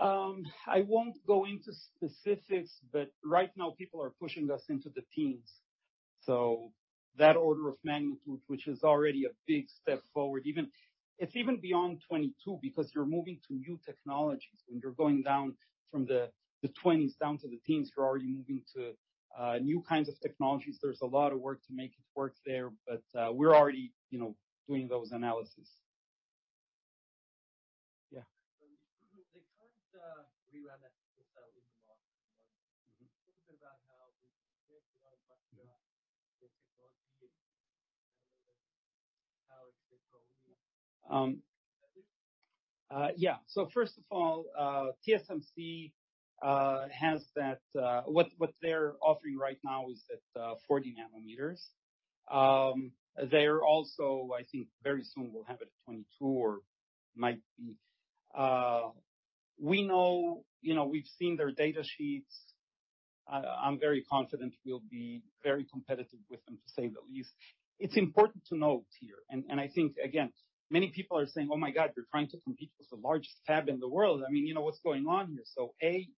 I won't go into specifics, but right now people are pushing us into the teens. That order of magnitude, which is already a big step forward. It's even beyond 22 because you're moving to new technologies. When you're going down from the 20s down to the 10s, you're already moving to new kinds of technologies. There's a lot of work to make it work there, but we're already, you know, doing those analysis. Yeah. First of all, TSMC has that—what they're offering right now is that 40 nanometers. They're also, I think very soon will have it at 22 or might be. We know, you know, we've seen their data sheets. I'm very confident we'll be very competitive with them, to say the least. It's important to note here, and I think again, many people are saying, "Oh my god, you're trying to compete with the largest fab in the world. I mean, you know, what's going on here?" A,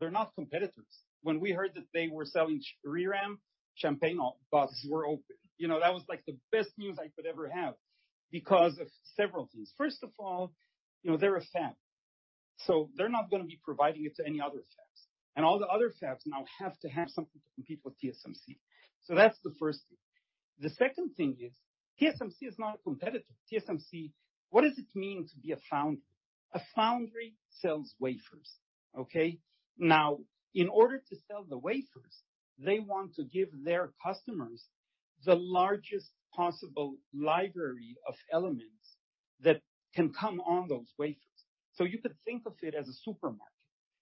they're not competitors. When we heard that they were selling ReRAM, champagne bottles were open. You know, that was like the best news I could ever have because of several things. First of all, you know, they're a fab, so they're not gonna be providing it to any other fabs. All the other fabs now have to have something to compete with TSMC. That's the first thing. The second thing is TSMC is not a competitor. TSMC. What does it mean to be a foundry? A foundry sells wafers. Okay? Now, in order to sell the wafers, they want to give their customers the largest possible library of elements that can come on those wafers. You could think of it as a supermarket.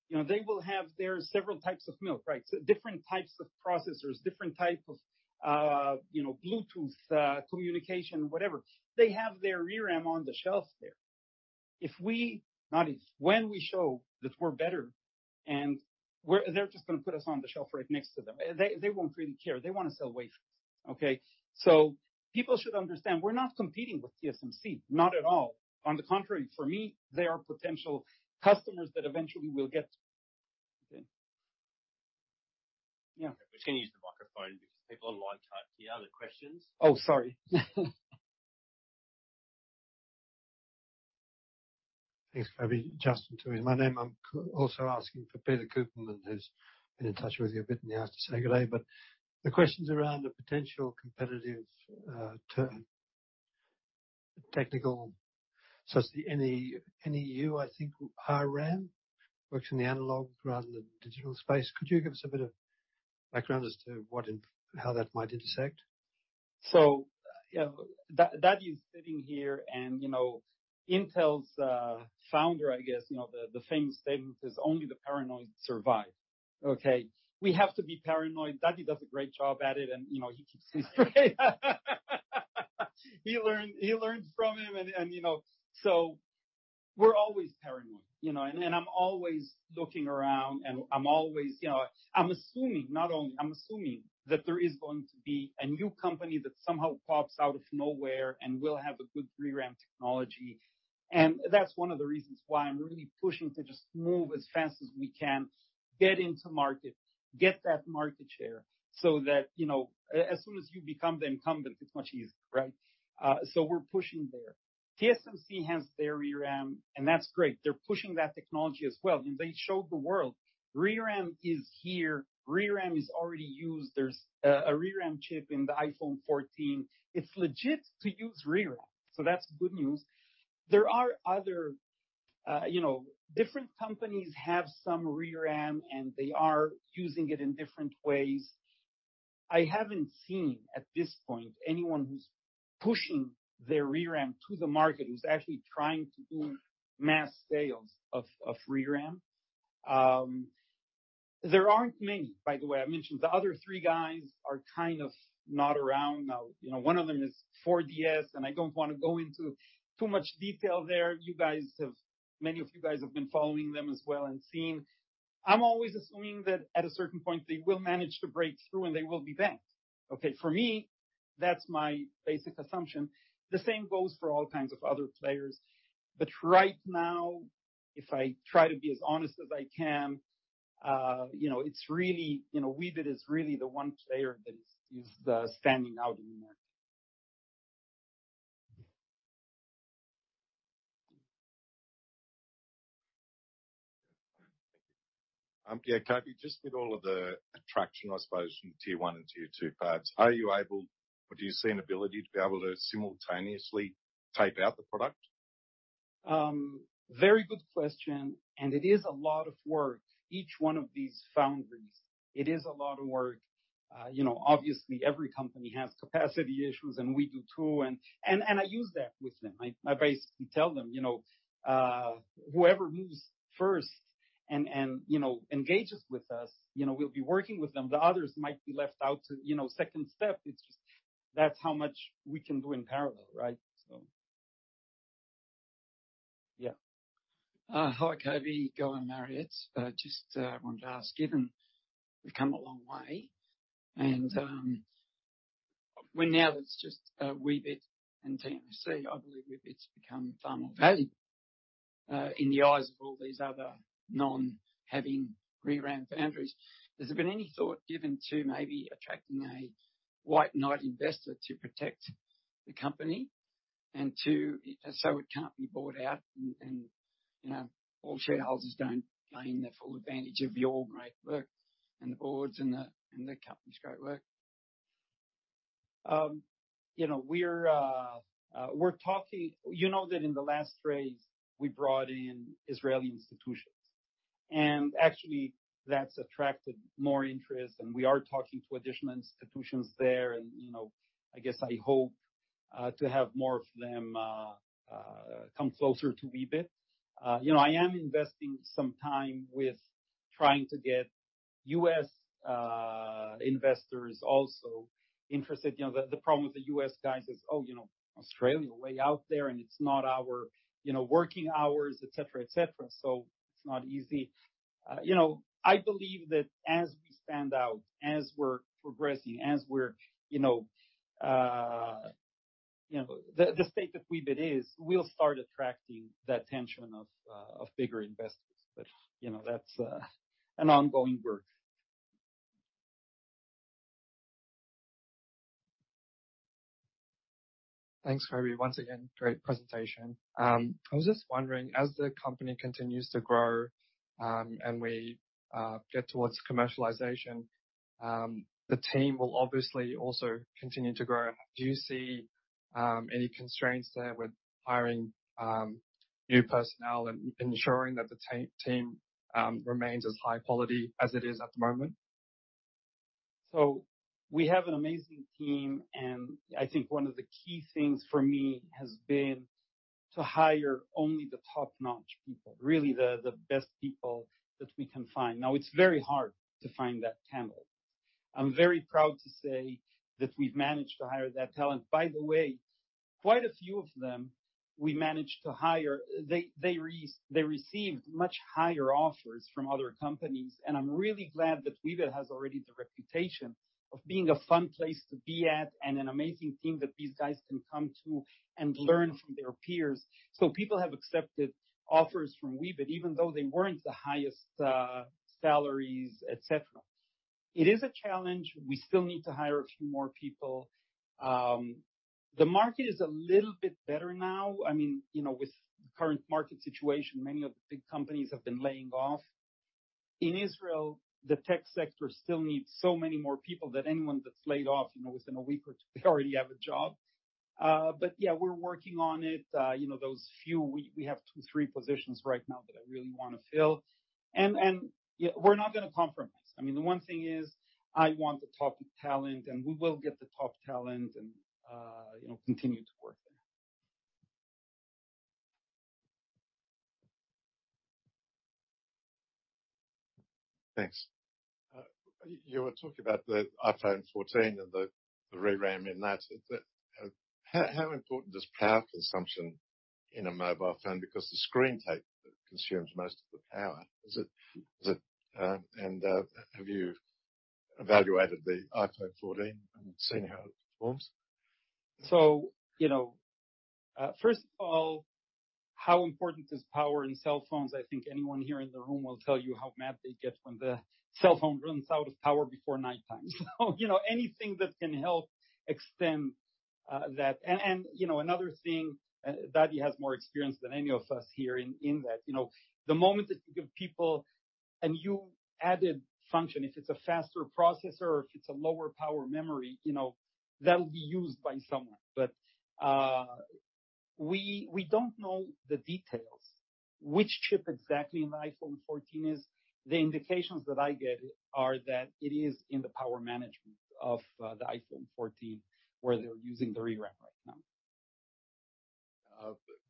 You know, they will have their several types of milk, right? Different types of processors, different type of, you know, Bluetooth, communication, whatever. They have their ReRAM on the shelf there. When we show that we're better and we're, they're just gonna put us on the shelf right next to them. They won't really care. They wanna sell wafers. Okay? People should understand we're not competing with TSMC. Not at all. On the contrary, for me, they are potential customers that eventually will get. Yeah. We can use the microphone because people online can't hear. Other questions? Oh, sorry. Thanks, Coby. Justin Twomey is my name. I'm also asking for Peter Koppman, who's been in touch with you a bit, and he asked to say good day. The question's around the potential competitive, technical. It's the NeoCi Hi-RAM. Works in the analog rather than the digital space. Could you give us a bit of background as to what and how that might intersect? Yeah. David is sitting here and, you know, Intel's founder, I guess, you know, the famous statement is, "Only the paranoid survive." Okay. We have to be paranoid. David does a great job at it and, you know, he keeps his head, he learns from him and, you know. We're always paranoid, you know, and I'm always looking around, and I'm always, you know, I'm assuming that there is going to be a new company that somehow pops out of nowhere and will have a good ReRAM technology. That's one of the reasons why I'm really pushing to just move as fast as we can, get into market, get that market share so that, you know, as soon as you become the incumbent, it's much easier, right? We're pushing there. TSMC has their ReRAM, and that's great. They're pushing that technology as well, and they showed the world ReRAM is here, ReRAM is already used. There's a ReRAM chip in the iPhone 14. It's legit to use ReRAM, so that's good news. There are other, you know, different companies have some ReRAM, and they are using it in different ways. I haven't seen, at this point, anyone who's pushing their ReRAM to the market, who's actually trying to do mass sales of ReRAM. There aren't many, by the way. I mentioned the other three guys are kind of not around now. You know, one of them is 4DS, and I don't wanna go into too much detail there. You guys have many of you guys have been following them as well and seen. I'm always assuming that at a certain point they will manage to break through, and they will be back. Okay. For me, that's my basic assumption. The same goes for all kinds of other players. Right now, if I try to be as honest as I can, you know, it's really, you know, Weebit is really the one player that is standing out in the market. Thank you. Yeah, Coby, just with all of the attraction, I suppose, from tier one and tier two fabs, are you able or do you see an ability to be able to simultaneously tape out the product? Very good question. It is a lot of work. Each one of these foundries, it is a lot of work. You know, obviously every company has capacity issues, and we do too. I use that with them. I basically tell them, you know, whoever moves first and you know engages with us, you know, we'll be working with them. The others might be left out too, you know, second step. It's just that's how much we can do in parallel, right? Yeah. Hi, Coby. Goran Marelic. Just wanted to ask, given we've come a long way and now that it's just Weebit and TSMC, I believe Weebit's become far more valued in the eyes of all these other non-ReRAM foundries. Has there been any thought given to maybe attracting a white knight investor to protect the company and so it can't be bought out and, you know, all shareholders don't gain the full advantage of your great work and the boards and the company's great work? You know, we're talking. You know that in the last raise, we brought in Israeli institutions, and actually that's attracted more interest, and we are talking to additional institutions there and, you know, I guess I hope to have more of them come closer to Weebit. You know, I am investing some time with trying to get U.S. investors also interested. You know, the problem with the U.S. guys is, you know, Australia, way out there and it's not our, you know, working hours, et cetera, et cetera. It's not easy. You know, I believe that as we stand out, as we're progressing, as we're, you know, the state that Weebit is, we'll start attracting the attention of bigger investors. You know, that's an ongoing work. Thanks, Coby. Once again, great presentation. I was just wondering, as the company continues to grow, and we get towards commercialization, the team will obviously also continue to grow. Do you see any constraints there with hiring new personnel and ensuring that the team remains as high quality as it is at the moment? We have an amazing team, and I think one of the key things for me has been to hire only the top-notch people, really the best people that we can find. Now, it's very hard to find that talent. I'm very proud to say that we've managed to hire that talent. By the way, quite a few of them, we managed to hire. They received much higher offers from other companies, and I'm really glad that Weebit has already the reputation of being a fun place to be at and an amazing team that these guys can come to and learn from their peers. People have accepted offers from Weebit even though they weren't the highest salaries, et cetera. It is a challenge. We still need to hire a few more people. The market is a little bit better now. I mean, you know, with the current market situation, many of the big companies have been laying off. In Israel, the tech sector still needs so many more people that anyone that's laid off, you know, within a week or two, they already have a job. Yeah, we're working on it. You know, those few, we have two, three positions right now that I really wanna fill. Yeah, we're not gonna compromise. I mean, the one thing is I want the top talent, and we will get the top talent and, you know, continue to work there. Thanks. You were talking about the iPhone 14 and the ReRAM in that. How important is power consumption in a mobile phone? Because the screen consumes most of the power. Is it? Have you evaluated the iPhone 14 and seen how it performs? How important is power in cell phones? I think anyone here in the room will tell you how mad they get when the cell phone runs out of power before nighttime. You know, anything that can help extend that. You know, David has more experience than any of us here in that, you know. The moment that you give people a new added function, if it's a faster processor or if it's a lower power memory, you know, that'll be used by someone. We don't know the details which chip exactly in the iPhone 14 is. The indications that I get are that it is in the power management of the iPhone 14, where theyj're using the ReRAM right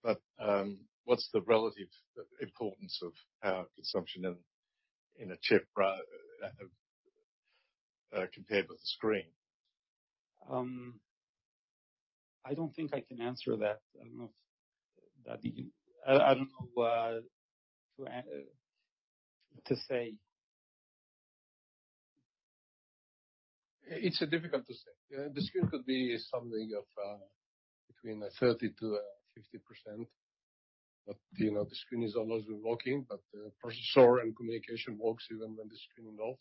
now. What's the relative importance of power consumption in a chip compared with the screen? I don't think I can answer that. I don't know if David you. I don't know to say. It's difficult to say. The screen could be something of between 30%-50%. You know, the screen is always working, but the processor and communication works even when the screen is off.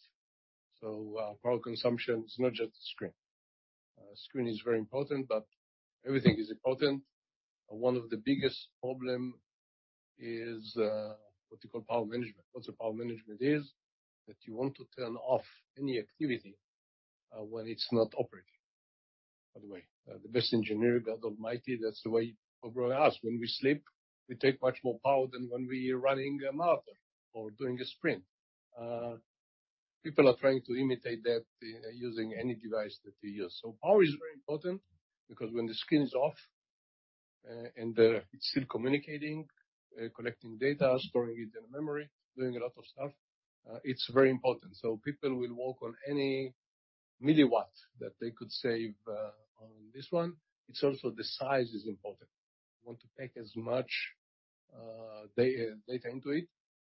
Power consumption is not just the screen. Screen is very important, but everything is important. One of the biggest problem is what you call power management. What power management is that you want to turn off any activity when it's not operating. By the way, the best engineer, God Almighty, that's the way he programmed us. When we sleep, we take much more power than when we running a marathon or doing a sprint. People are trying to imitate that using any device that they use. Power is very important because when the screen is off, and they're still communicating, collecting data, storing it in memory, doing a lot of stuff, it's very important. People will work on any milliwatt that they could save on this one. It's also the size is important. We want to pack as much data into it.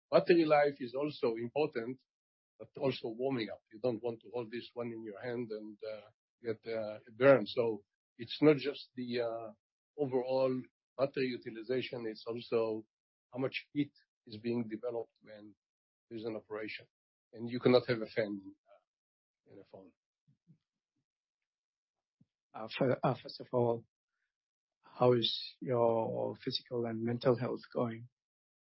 Battery life is also important, but also warming up. You don't want to hold this one in your hand and get burned. It's not just the overall battery utilization, it's also how much heat is being developed when there's an operation. You cannot have a fan in a phone. First of all, how is your physical and mental health going,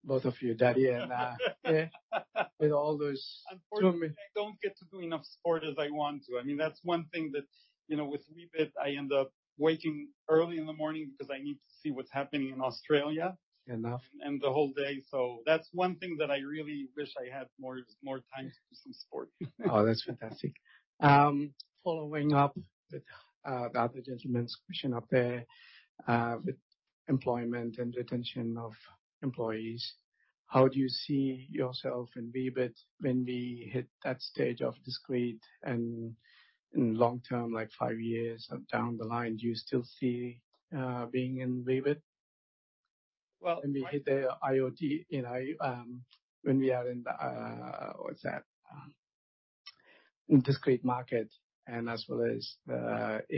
both of you, David Perlmutter and with all those- Unfortunately, I don't get to do enough sport as I want to. I mean, that's one thing that, you know, with Weebit, I end up waking early in the morning because I need to see what's happening in Australia. Fair enoug.. The whole day. That's one thing that I really wish I had more time to do some sport. Oh, that's fantastic. Following up with the other gentleman's question up there, with employment and retention of employees, how do you see yourself in Weebit when we hit that stage of discrete and in long term, like five years down the line, do you still see being in Weebit? Well- When we hit the IoT, you know, when we are in the discrete market and as well as the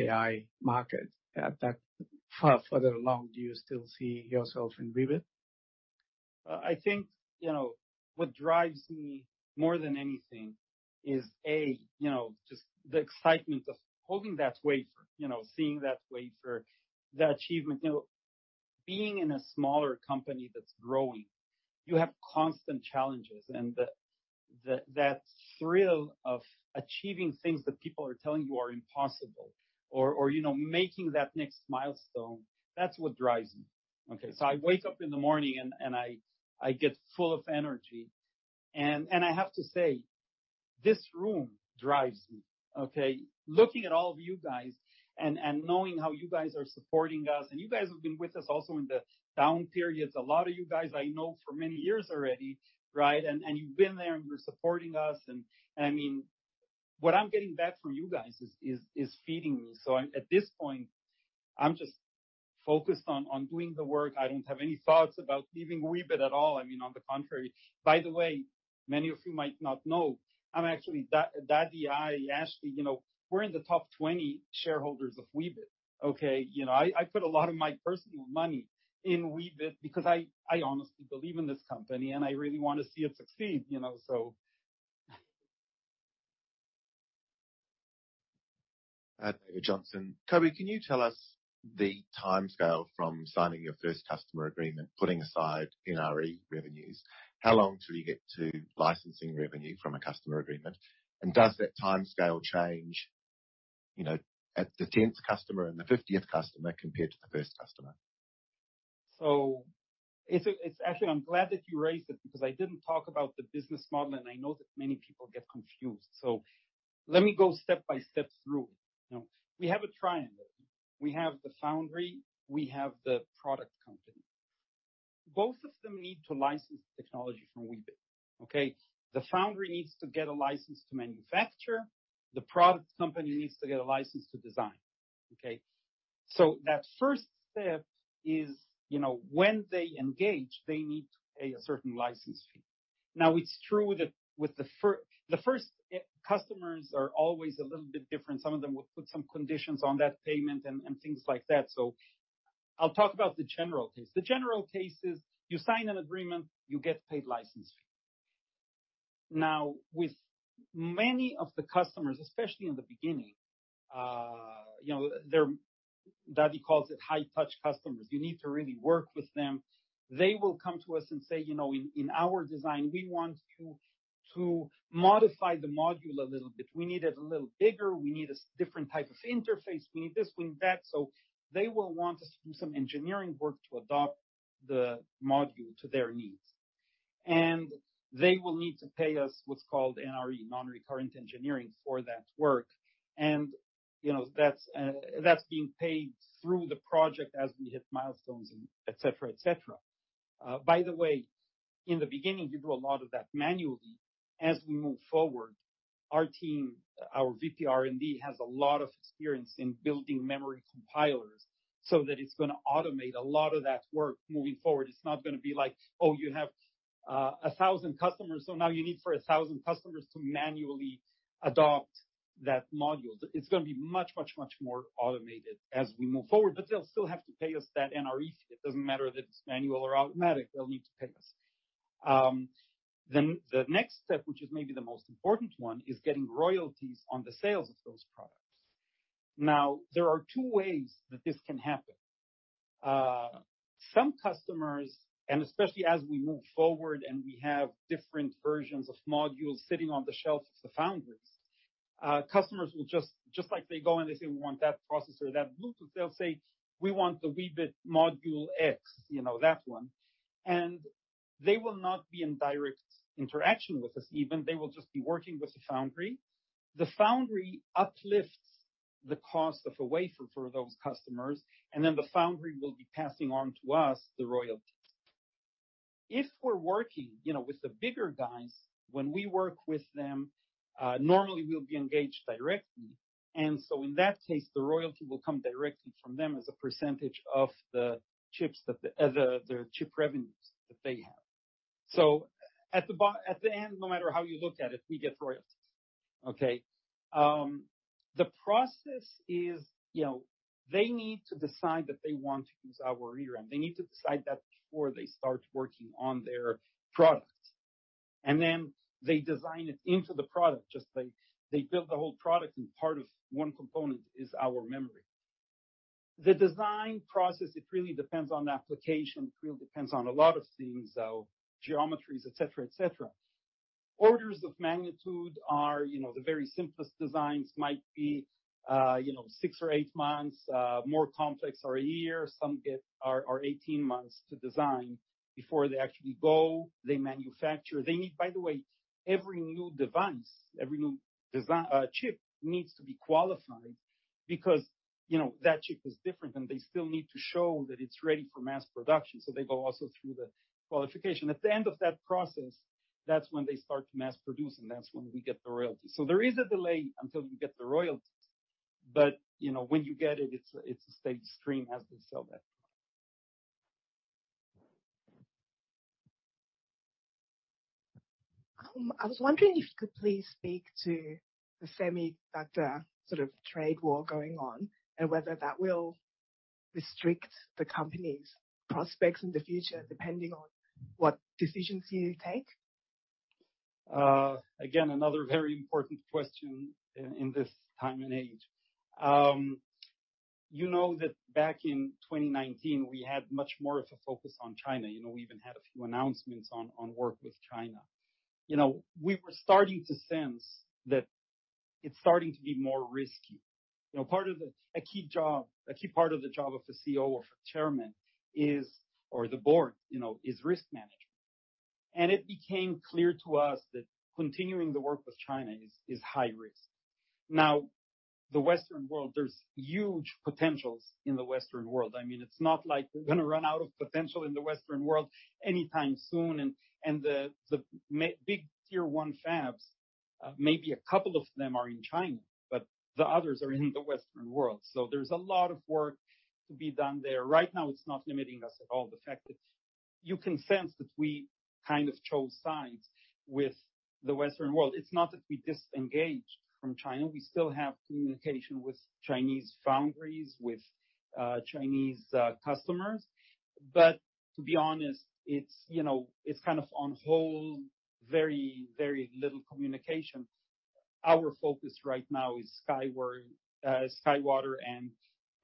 AI market at that further along, do you still see yourself in Weebit? I think, you know, what drives me more than anything is, A, you know, just the excitement of holding that wafer, you know, seeing that wafer, the achievement. You know, being in a smaller company that's growing, you have constant challenges and the that thrill of achieving things that people are telling you are impossible or, you know, making that next milestone, that's what drives me. Okay? I wake up in the morning and I get full of energy. I have to say, this room drives me. Okay? Looking at all of you guys and knowing how you guys are supporting us, and you guys have been with us also in the down periods. A lot of you guys I know for many years already, right? You've been there and you're supporting us. I mean, what I'm getting back from you guys is feeding me. At this point, I'm just focused on doing the work. I don't have any thoughts about leaving Weebit at all. I mean, on the contrary. By the way, many of you might not know, I'm actually, David, Ashley, you know, we're in the top 20 shareholders of Weebit. Okay. You know, I put a lot of my personal money in Weebit because I honestly believe in this company, and I really wanna see it succeed, you know. David Johnson. Coby, can you tell us the timescale from signing your first customer agreement, putting aside NRE revenues, how long till you get to licensing revenue from a customer agreement? Does that timescale change, you know, at the tenth customer and the fiftieth customer compared to the first customer? It's actually, I'm glad that you raised it because I didn't talk about the business model, and I know that many people get confused. Let me go step by step through it. You know, we have a triangle. We have the foundry, we have the product company. Both of them need to license technology from Weebit. Okay? The foundry needs to get a license to manufacture. The product company needs to get a license to design. Okay? That first step is, you know, when they engage, they need to pay a certain license fee. Now it's true that with the first customers are always a little bit different. Some of them will put some conditions on that payment and things like that. I'll talk about the general case. The general case is you sign an agreement, you get paid license fee. Now, with many of the customers, especially in the beginning, you know, they're David calls it high-touch customers. You need to really work with them. They will come to us and say, "You know, in our design, we want to modify the module a little bit. We need it a little bigger. We need a different type of interface. We need this, we need that." So they will want us to do some engineering work to adapt the module to their needs. And they will need to pay us what's called NRE, non-recurring engineering, for that work. And, you know, that's being paid through the project as we hit milestones, et cetera, et cetera. By the way, in the beginning, you do a lot of that manually. As we move forward, our team, our VP R&D, has a lot of experience in building memory compilers so that it's gonna automate a lot of that work moving forward. It's not gonna be like, oh, you have 1,000 customers, so now you need for 1,000 customers to manually adopt that module. It's gonna be much, much, much more automated as we move forward, but they'll still have to pay us that NRE fee. It doesn't matter if it's manual or automatic, they'll need to pay us. Then the next step, which is maybe the most important one, is getting royalties on the sales of those products. Now, there are two ways that this can happen. Some customers, and especially as we move forward, and we have different versions of modules sitting on the shelf of the foundries, customers will just like they go and they say, "We want that processor, that Bluetooth," they'll say, "We want the Weebit module X, you know, that one." They will not be in direct interaction with us even. They will just be working with the foundry. The foundry uplifts the cost of a wafer for those customers, and then the foundry will be passing on to us the royalties. If we're working, you know, with the bigger guys, when we work with them, normally we'll be engaged directly. In that case, the royalty will come directly from them as a percentage of the chips that the chip revenues that they have. At the end, no matter how you look at it, we get royalties. Okay? The process is, you know, they need to decide that they want to use our ReRAM. They need to decide that before they start working on their product. Then they design it into the product, just like they build the whole product, and part of one component is our memory. The design process, it really depends on the application. It really depends on a lot of things, so geometries, et cetera, et cetera. Orders of magnitude are, you know, the very simplest designs might be, you know, six or eight months, more complex are a year. Some are 18 months to design before they actually go, they manufacture. They need, by the way, every new device, every new chip needs to be qualified because, you know, that chip is different, and they still need to show that it's ready for mass production. They go also through the qualification. At the end of that process, that's when they start to mass produce, and that's when we get the royalties. There is a delay until you get the royalties. You know, when you get it's a steady stream as they sell that product. I was wondering if you could please speak to the semiconductor sort of trade war going on and whether that will restrict the company's prospects in the future, depending on what decisions you take? Again, another very important question in this time and age. You know that back in 2019 we had much more of a focus on China. You know, we even had a few announcements on work with China. You know, we were starting to sense that it's starting to be more risky. You know, part of a key job, a key part of the job of a CEO or chairman is, or the board, you know, is risk management. It became clear to us that continuing the work with China is high risk. Now, the Western world, there's huge potentials in the Western world. I mean, it's not like we're gonna run out of potential in the Western world anytime soon. Big tier one fabs, maybe a couple of them are in China, but the others are in the Western world. There's a lot of work to be done there. Right now, it's not limiting us at all. The fact that you can sense that we kind of chose sides with the Western world. It's not that we disengaged from China. We still have communication with Chinese foundries, with Chinese customers. But to be honest, it's, you know, it's kind of on hold, very, very little communication. Our focus right now is SkyWater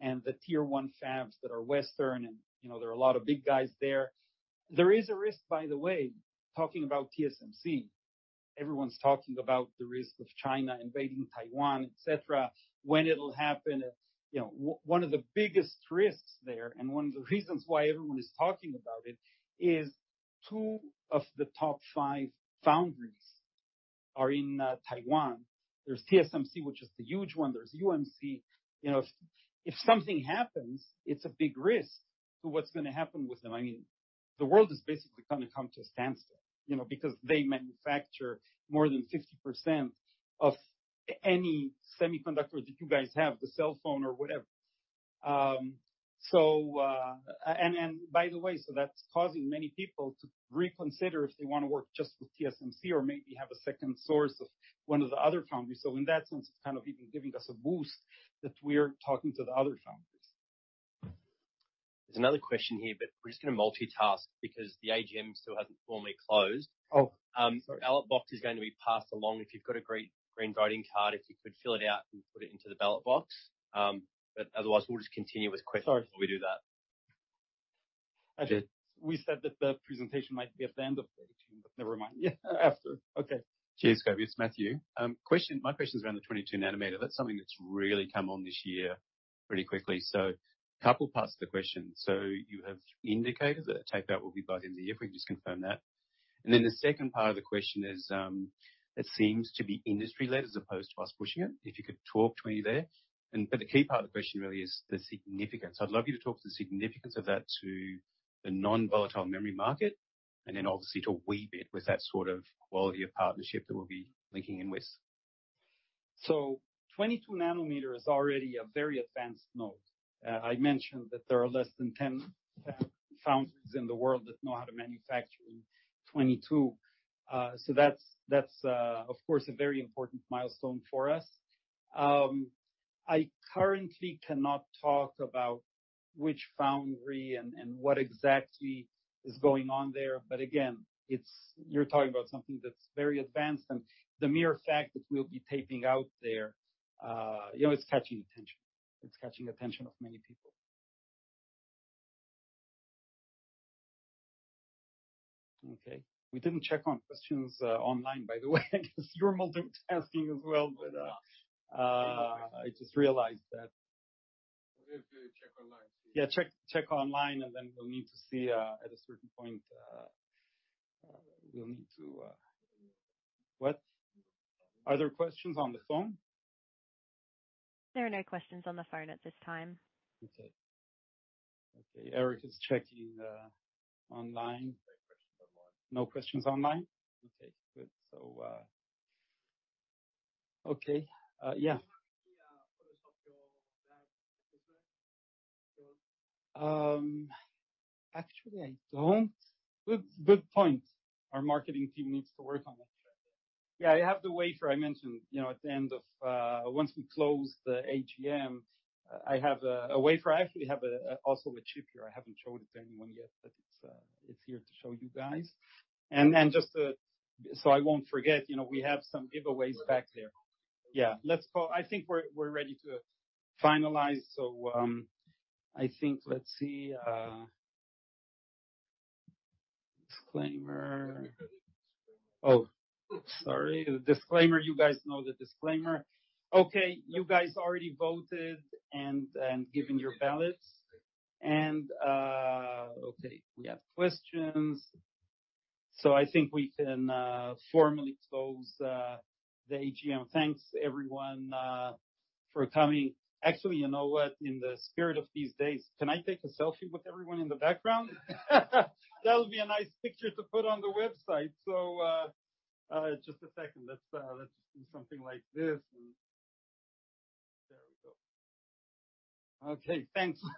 and the tier one fabs that are Western and, you know, there are a lot of big guys there. There is a risk, by the way, talking about TSMC. Everyone's talking about the risk of China invading Taiwan, et cetera. When it'll happen, it's, you know. One of the biggest risks there, and one of the reasons why everyone is talking about it is two of the top five foundries are in Taiwan. There's TSMC, which is the huge one. There's UMC. You know, if something happens, it's a big risk to what's gonna happen with them. I mean, the world is basically gonna come to a standstill, you know, because they manufacture more than 60% of any semiconductor that you guys have, the cell phone or whatever. By the way, that's causing many people to reconsider if they wanna work just with TSMC or maybe have a second source of one of the other foundries. In that sense, it's kind of even giving us a boost that we're talking to the other foundries. There's another question here, but we're just gonna multitask because the AGM still hasn't formally closed. Oh, sorry. Ballot box is going to be passed along. If you've got a green voting card, if you could fill it out and put it into the ballot box. Otherwise, we'll just continue with questions. Sorry. while we do that. Okay. We said that the presentation might be at the end of the AGM, but never mind. Yeah. After. Okay. Cheers, Tobias. Matthew. My question is around the 22 nanometer. That's something that's really come along this year pretty quickly. Couple parts to the question. You have indicated that the tape-out will be by the end of the year, if we can just confirm that. The second part of the question is, it seems to be industry-led as opposed to us pushing it. If you could talk to me there. The key part of the question really is the significance. I'd love you to talk to the significance of that to the non-volatile memory market, and then obviously to Weebit with that sort of quality of partnership that we'll be linking in with. 22 nanometer is already a very advanced node. I mentioned that there are less than 10 foundries in the world that know how to manufacture in 22. That's of course a very important milestone for us. I currently cannot talk about which foundry and what exactly is going on there. Again, you're talking about something that's very advanced, and the mere fact that we'll be taping out there, you know, it's catching attention. It's catching attention of many people. Okay. We didn't check on questions online, by the way. I guess you're multitasking as well, but. No. I just realized that. We have to check online, too. Yeah, check online, and then we'll need to see at a certain point. What? Are there questions on the phone? There are no questions on the phone at this time. Okay, Eric is checking online. No questions online. No questions online? Okay, good. Okay. Yeah. Do you have any photos of your lab business? Actually, I don't. Good point. Our marketing team needs to work on that. Yeah, I have the wafer I mentioned, you know. Once we close the AGM, I have a wafer. I actually have also a chip here. I haven't showed it to anyone yet, but it's here to show you guys. So I won't forget, you know, we have some giveaways back there. Yeah. Let's call. I think we're ready to finalize. I think let's see. Disclaimer. Oh, sorry. The disclaimer. You guys know the disclaimer. Okay, you guys already voted and given your ballots. Okay, we have questions. I think we can formally close the AGM. Thanks, everyone, for coming. Actually, you know what? In the spirit of these days, can I take a selfie with everyone in the background? That would be a nice picture to put on the website. Just a second. Let's do something like this. There we go. Okay, thanks.